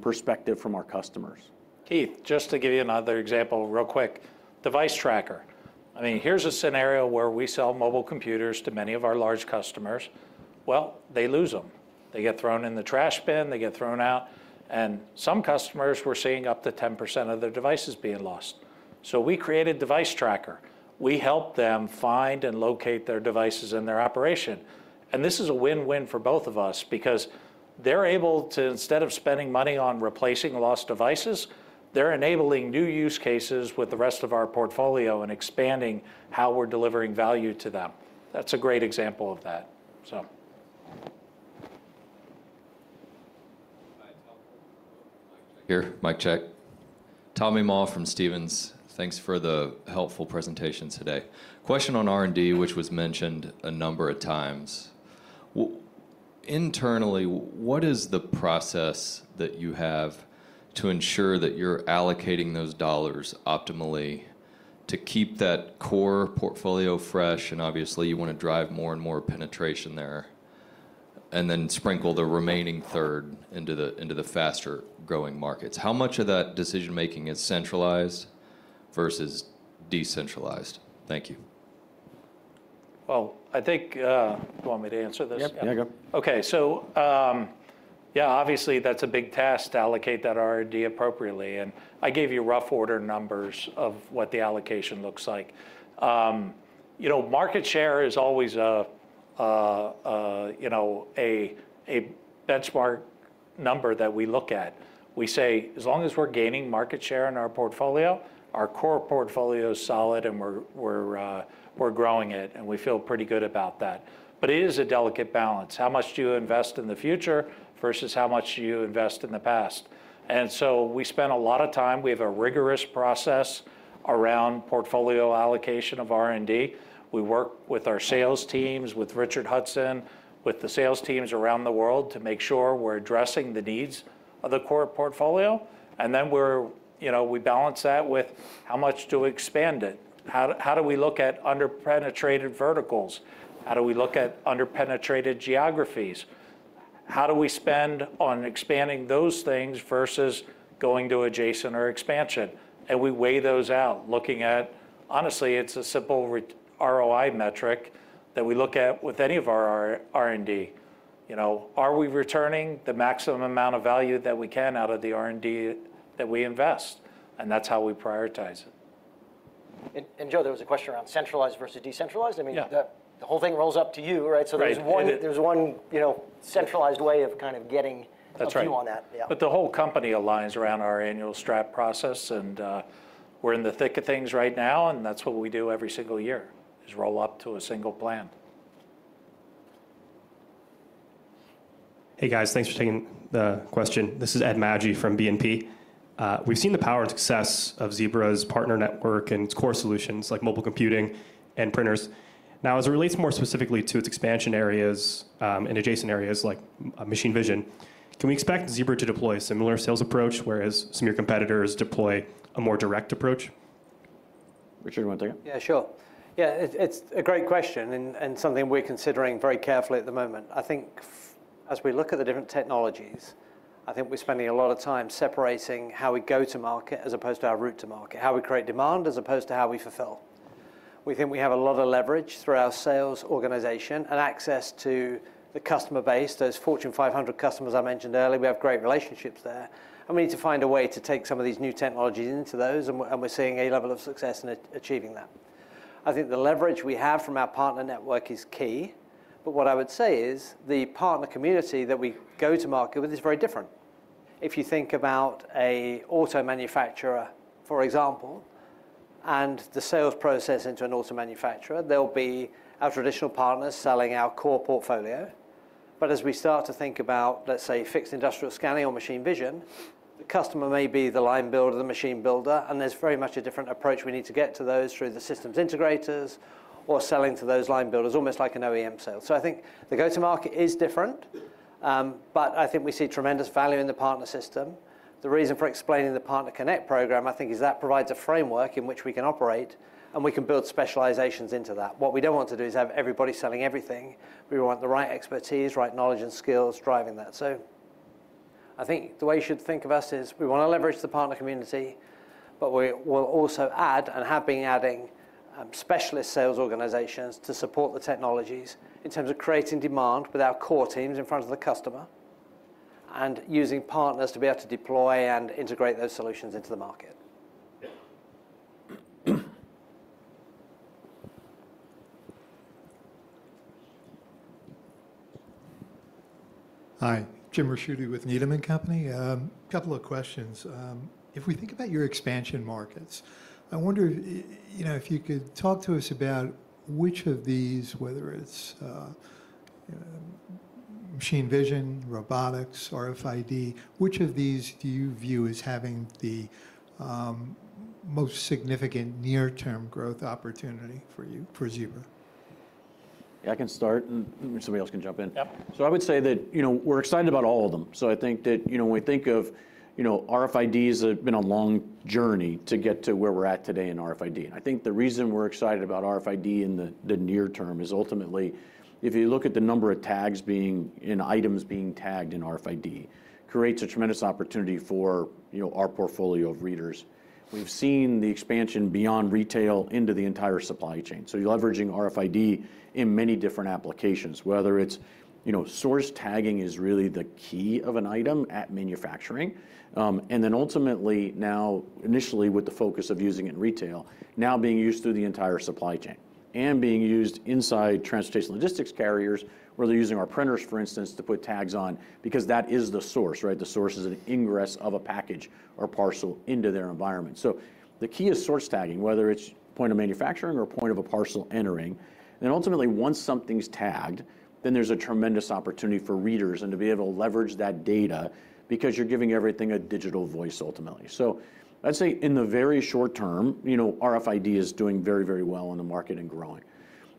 perspective from our customers. Keith, just to give you another example real quick, Device Tracker. I mean, here's a scenario where we sell mobile computers to many of our large customers. Well, they lose them. They get thrown in the trash bin. They get thrown out. And some customers, we're seeing up to 10% of their devices being lost. So we created Device Tracker. We helped them find and locate their devices in their operation. And this is a win-win for both of us because they're able to, instead of spending money on replacing lost devices, they're enabling new use cases with the rest of our portfolio and expanding how we're delivering value to them. That's a great example of that, so. Hi. Tommy Moll from Stephens. Thanks for the helpful presentation today. Question on R&D, which was mentioned a number of times. Internally, what is the process that you have to ensure that you're allocating those dollars optimally to keep that core portfolio fresh? And obviously, you want to drive more and more penetration there and then sprinkle the remaining third into the faster-growing markets. How much of that decision-making is centralized versus decentralized? Thank you. Well, I think you want me to answer this? Yeah. OK. So yeah, obviously, that's a big task to allocate that R&D appropriately. And I gave you rough order numbers of what the allocation looks like. Market share is always a benchmark number that we look at. We say, as long as we're gaining market share in our portfolio, our core portfolio is solid, and we're growing it. And we feel pretty good about that. But it is a delicate balance. How much do you invest in the future versus how much do you invest in the past? And so we spend a lot of time. We have a rigorous process around portfolio allocation of R&D. We work with our sales teams, with Richard Hudson, with the sales teams around the world to make sure we're addressing the needs of the core portfolio. And then we balance that with how much do we expand it? How do we look at under-penetrated verticals? How do we look at under-penetrated geographies? How do we spend on expanding those things versus going to adjacent or expansion? And we weigh those out, looking at honestly, it's a simple ROI metric that we look at with any of our R&D. Are we returning the maximum amount of value that we can out of the R&D that we invest? And that's how we prioritize it. Joe, there was a question around centralized versus decentralized. I mean, the whole thing rolls up to you, right? So there's one centralized way of kind of getting a view on that. That's right. But the whole company aligns around our annual STRAP process. And we're in the thick of things right now. And that's what we do every single year, is roll up to a single plan. Hey, guys. Thanks for taking the question. This is Ed Magi from BNP. We've seen the power and success of Zebra's partner network and its core solutions like mobile computing and printers. Now, as it relates more specifically to its expansion areas and adjacent areas like machine vision, can we expect Zebra to deploy a similar sales approach, whereas some of your competitors deploy a more direct approach? Richard, you want to take it? Yeah, sure. Yeah, it's a great question and something we're considering very carefully at the moment. I think as we look at the different technologies, I think we're spending a lot of time separating how we go to market as opposed to our route to market, how we create demand as opposed to how we fulfill. We think we have a lot of leverage through our sales organization and access to the customer base, those Fortune 500 customers I mentioned earlier. We have great relationships there. And we need to find a way to take some of these new technologies into those. And we're seeing a level of success in achieving that. I think the leverage we have from our partner network is key. But what I would say is the partner community that we go to market with is very different. If you think about an auto manufacturer, for example, and the sales process into an auto manufacturer, there'll be our traditional partners selling our core portfolio. But as we start to think about, let's say, fixed industrial scanning or machine vision, the customer may be the line builder or the machine builder. And there's very much a different approach. We need to get to those through the systems integrators or selling to those line builders, almost like an OEM sale. So I think the go-to-market is different. But I think we see tremendous value in the partner system. The reason for explaining the PartnerConnect program, I think, is that provides a framework in which we can operate. And we can build specializations into that. What we don't want to do is have everybody selling everything. We want the right expertise, right knowledge, and skills driving that. I think the way you should think of us is we want to leverage the partner community. But we'll also add and have been adding specialist sales organizations to support the technologies in terms of creating demand with our core teams in front of the customer and using partners to be able to deploy and integrate those solutions into the market. Hi. Jim Ricchiuti with Needham & Company. A couple of questions. If we think about your expansion markets, I wonder if you could talk to us about which of these, whether it's machine vision, robotics, RFID, which of these do you view as having the most significant near-term growth opportunity for you, for Zebra? Yeah, I can start. Somebody else can jump in. Yep. So I would say that we're excited about all of them. So I think that when we think of RFIDs, it's been a long journey to get to where we're at today in RFID. And I think the reason we're excited about RFID in the near term is ultimately, if you look at the number of tags being in items being tagged in RFID, it creates a tremendous opportunity for our portfolio of readers. We've seen the expansion beyond retail into the entire supply chain. So you're leveraging RFID in many different applications, whether it's source tagging is really the key of an item at manufacturing and then ultimately now, initially, with the focus of using it in retail, now being used through the entire supply chain and being used inside transportation logistics carriers, where they're using our printers, for instance, to put tags on because that is the source, right? The source is an ingress of a package or parcel into their environment. So the key is source tagging, whether it's point of manufacturing or point of a parcel entering. And then ultimately, once something's tagged, then there's a tremendous opportunity for readers and to be able to leverage that data because you're giving everything a digital voice, ultimately. So I'd say in the very short term, RFID is doing very, very well in the market and growing.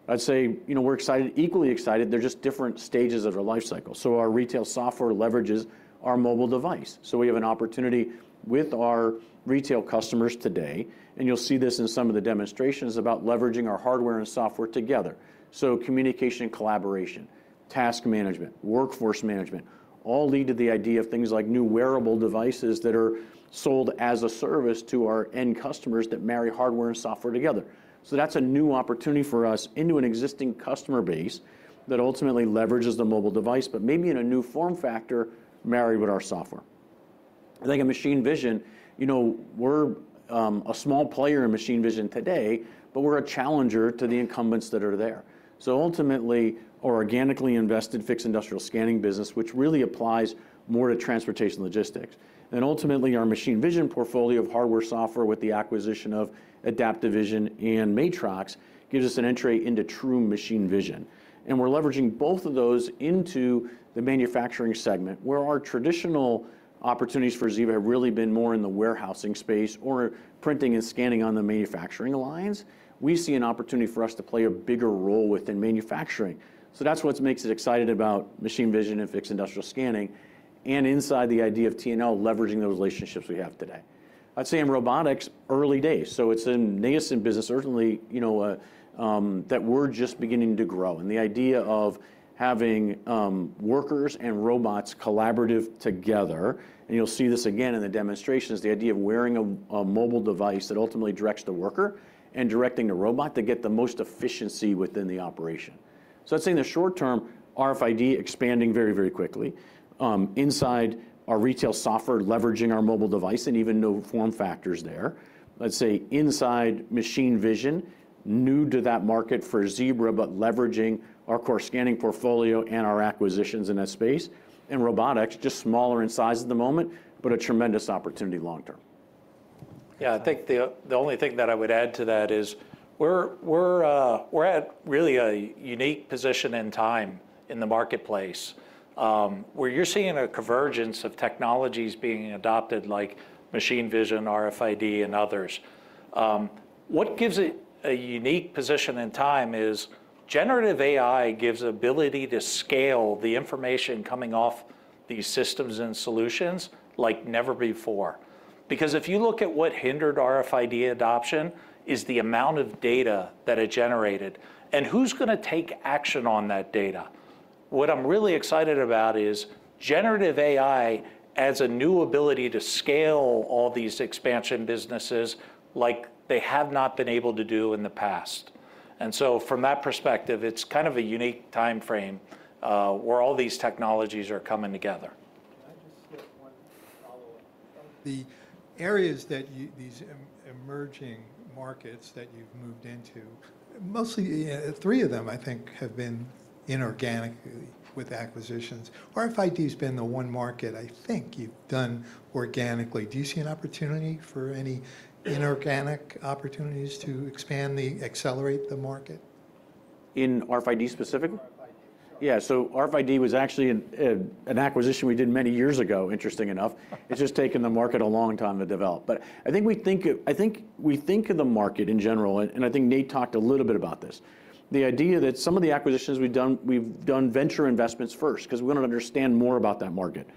I'd say we're excited, equally excited. They're just different stages of their life cycle. Our retail software leverages our mobile device. We have an opportunity with our retail customers today. You'll see this in some of the demonstrations about leveraging our hardware and software together. Communication and collaboration, task management, workforce management all lead to the idea of things like new wearable devices that are sold as a service to our end customers that marry hardware and software together. That's a new opportunity for us into an existing customer base that ultimately leverages the mobile device but maybe in a new form factor married with our software. I think in machine vision, we're a small player in machine vision today. We're a challenger to the incumbents that are there. Ultimately, our organically invested fixed industrial scanning business, which really applies more to transportation logistics. Ultimately, our machine vision portfolio of hardware and software with the acquisition of Adaptive Vision and Matrox gives us an entry into true machine vision. We're leveraging both of those into the manufacturing segment, where our traditional opportunities for Zebra have really been more in the warehousing space or printing and scanning on the manufacturing lines. We see an opportunity for us to play a bigger role within manufacturing. So that's what makes it exciting about machine vision and fixed industrial scanning and inside the idea of T&L, leveraging those relationships we have today. I'd say in robotics, early days. So it's a nascent business, certainly, that we're just beginning to grow. And the idea of having workers and robots collaborative together, and you'll see this again in the demonstrations: the idea of wearing a mobile device that ultimately directs the worker and directing the robot to get the most efficiency within the operation. So I'd say in the short term, RFID expanding very, very quickly. Inside our retail software, leveraging our mobile device and even new form factors there. I'd say inside Machine Vision, new to that market for Zebra but leveraging our core scanning portfolio and our acquisitions in that space. And robotics, just smaller in size at the moment but a tremendous opportunity long term. Yeah, I think the only thing that I would add to that is we're at really a unique position in time in the marketplace, where you're seeing a convergence of technologies being adopted like Machine Vision, RFID, and others. What gives it a unique position in time is Generative AI gives the ability to scale the information coming off these systems and solutions like never before. Because if you look at what hindered RFID adoption is the amount of data that it generated. And who's going to take action on that data? What I'm really excited about is Generative AI adds a new ability to scale all these expansion businesses like they have not been able to do in the past. And so from that perspective, it's kind of a unique time frame where all these technologies are coming together. The areas that these emerging markets that you've moved into, mostly three of them, I think, have been inorganically with acquisitions. RFID has been the one market, I think, you've done organically. Do you see an opportunity for any inorganic opportunities to expand, accelerate the market? In RFID specifically? RFID. Yeah. So RFID was actually an acquisition we did many years ago, interesting enough. It's just taken the market a long time to develop. But I think we think of the market in general and I think Nate talked a little bit about this, the idea that some of the acquisitions we've done, we've done venture investments first because we want to understand more about that market.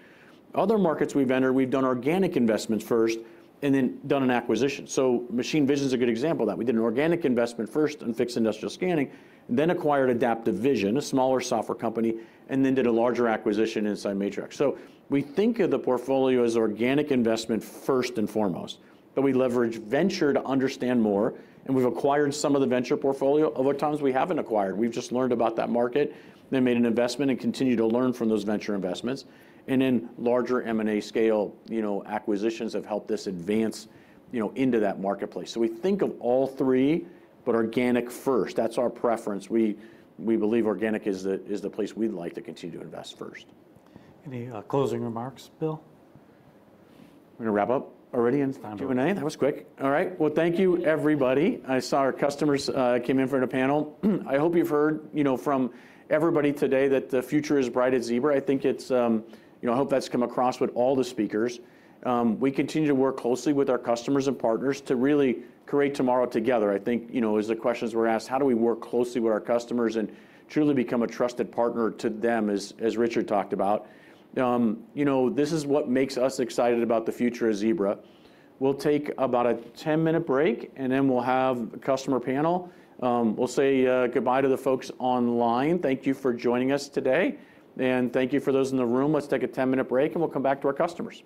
Other markets we've entered, we've done organic investments first and then done an acquisition. So machine vision is a good example of that. We did an organic investment first in fixed industrial scanning, then acquired Adaptive Vision, a smaller software company, and then did a larger acquisition inside Matrox. So we think of the portfolio as organic investment first and foremost. But we leverage venture to understand more. And we've acquired some of the venture portfolio of at times we haven't acquired. We've just learned about that market, then made an investment, and continued to learn from those venture investments. Then larger M&A scale acquisitions have helped us advance into that marketplace. We think of all three but organic first. That's our preference. We believe organic is the place we'd like to continue to invest first. Any closing remarks, Bill? We're going to wrap up already in Q&A? It's time to wrap. That was quick. All right. Well, thank you, everybody. I saw our customers came in for the panel. I hope you've heard from everybody today that the future is bright at Zebra. I hope that's come across with all the speakers. We continue to work closely with our customers and partners to really create tomorrow together. I think as the questions were asked, how do we work closely with our customers and truly become a trusted partner to them, as Richard talked about? This is what makes us excited about the future at Zebra. We'll take about a 10-minute break. And then we'll have a customer panel. We'll say goodbye to the folks online. Thank you for joining us today. And thank you for those in the room. Let's take a 10-minute break. And we'll come back to our customers.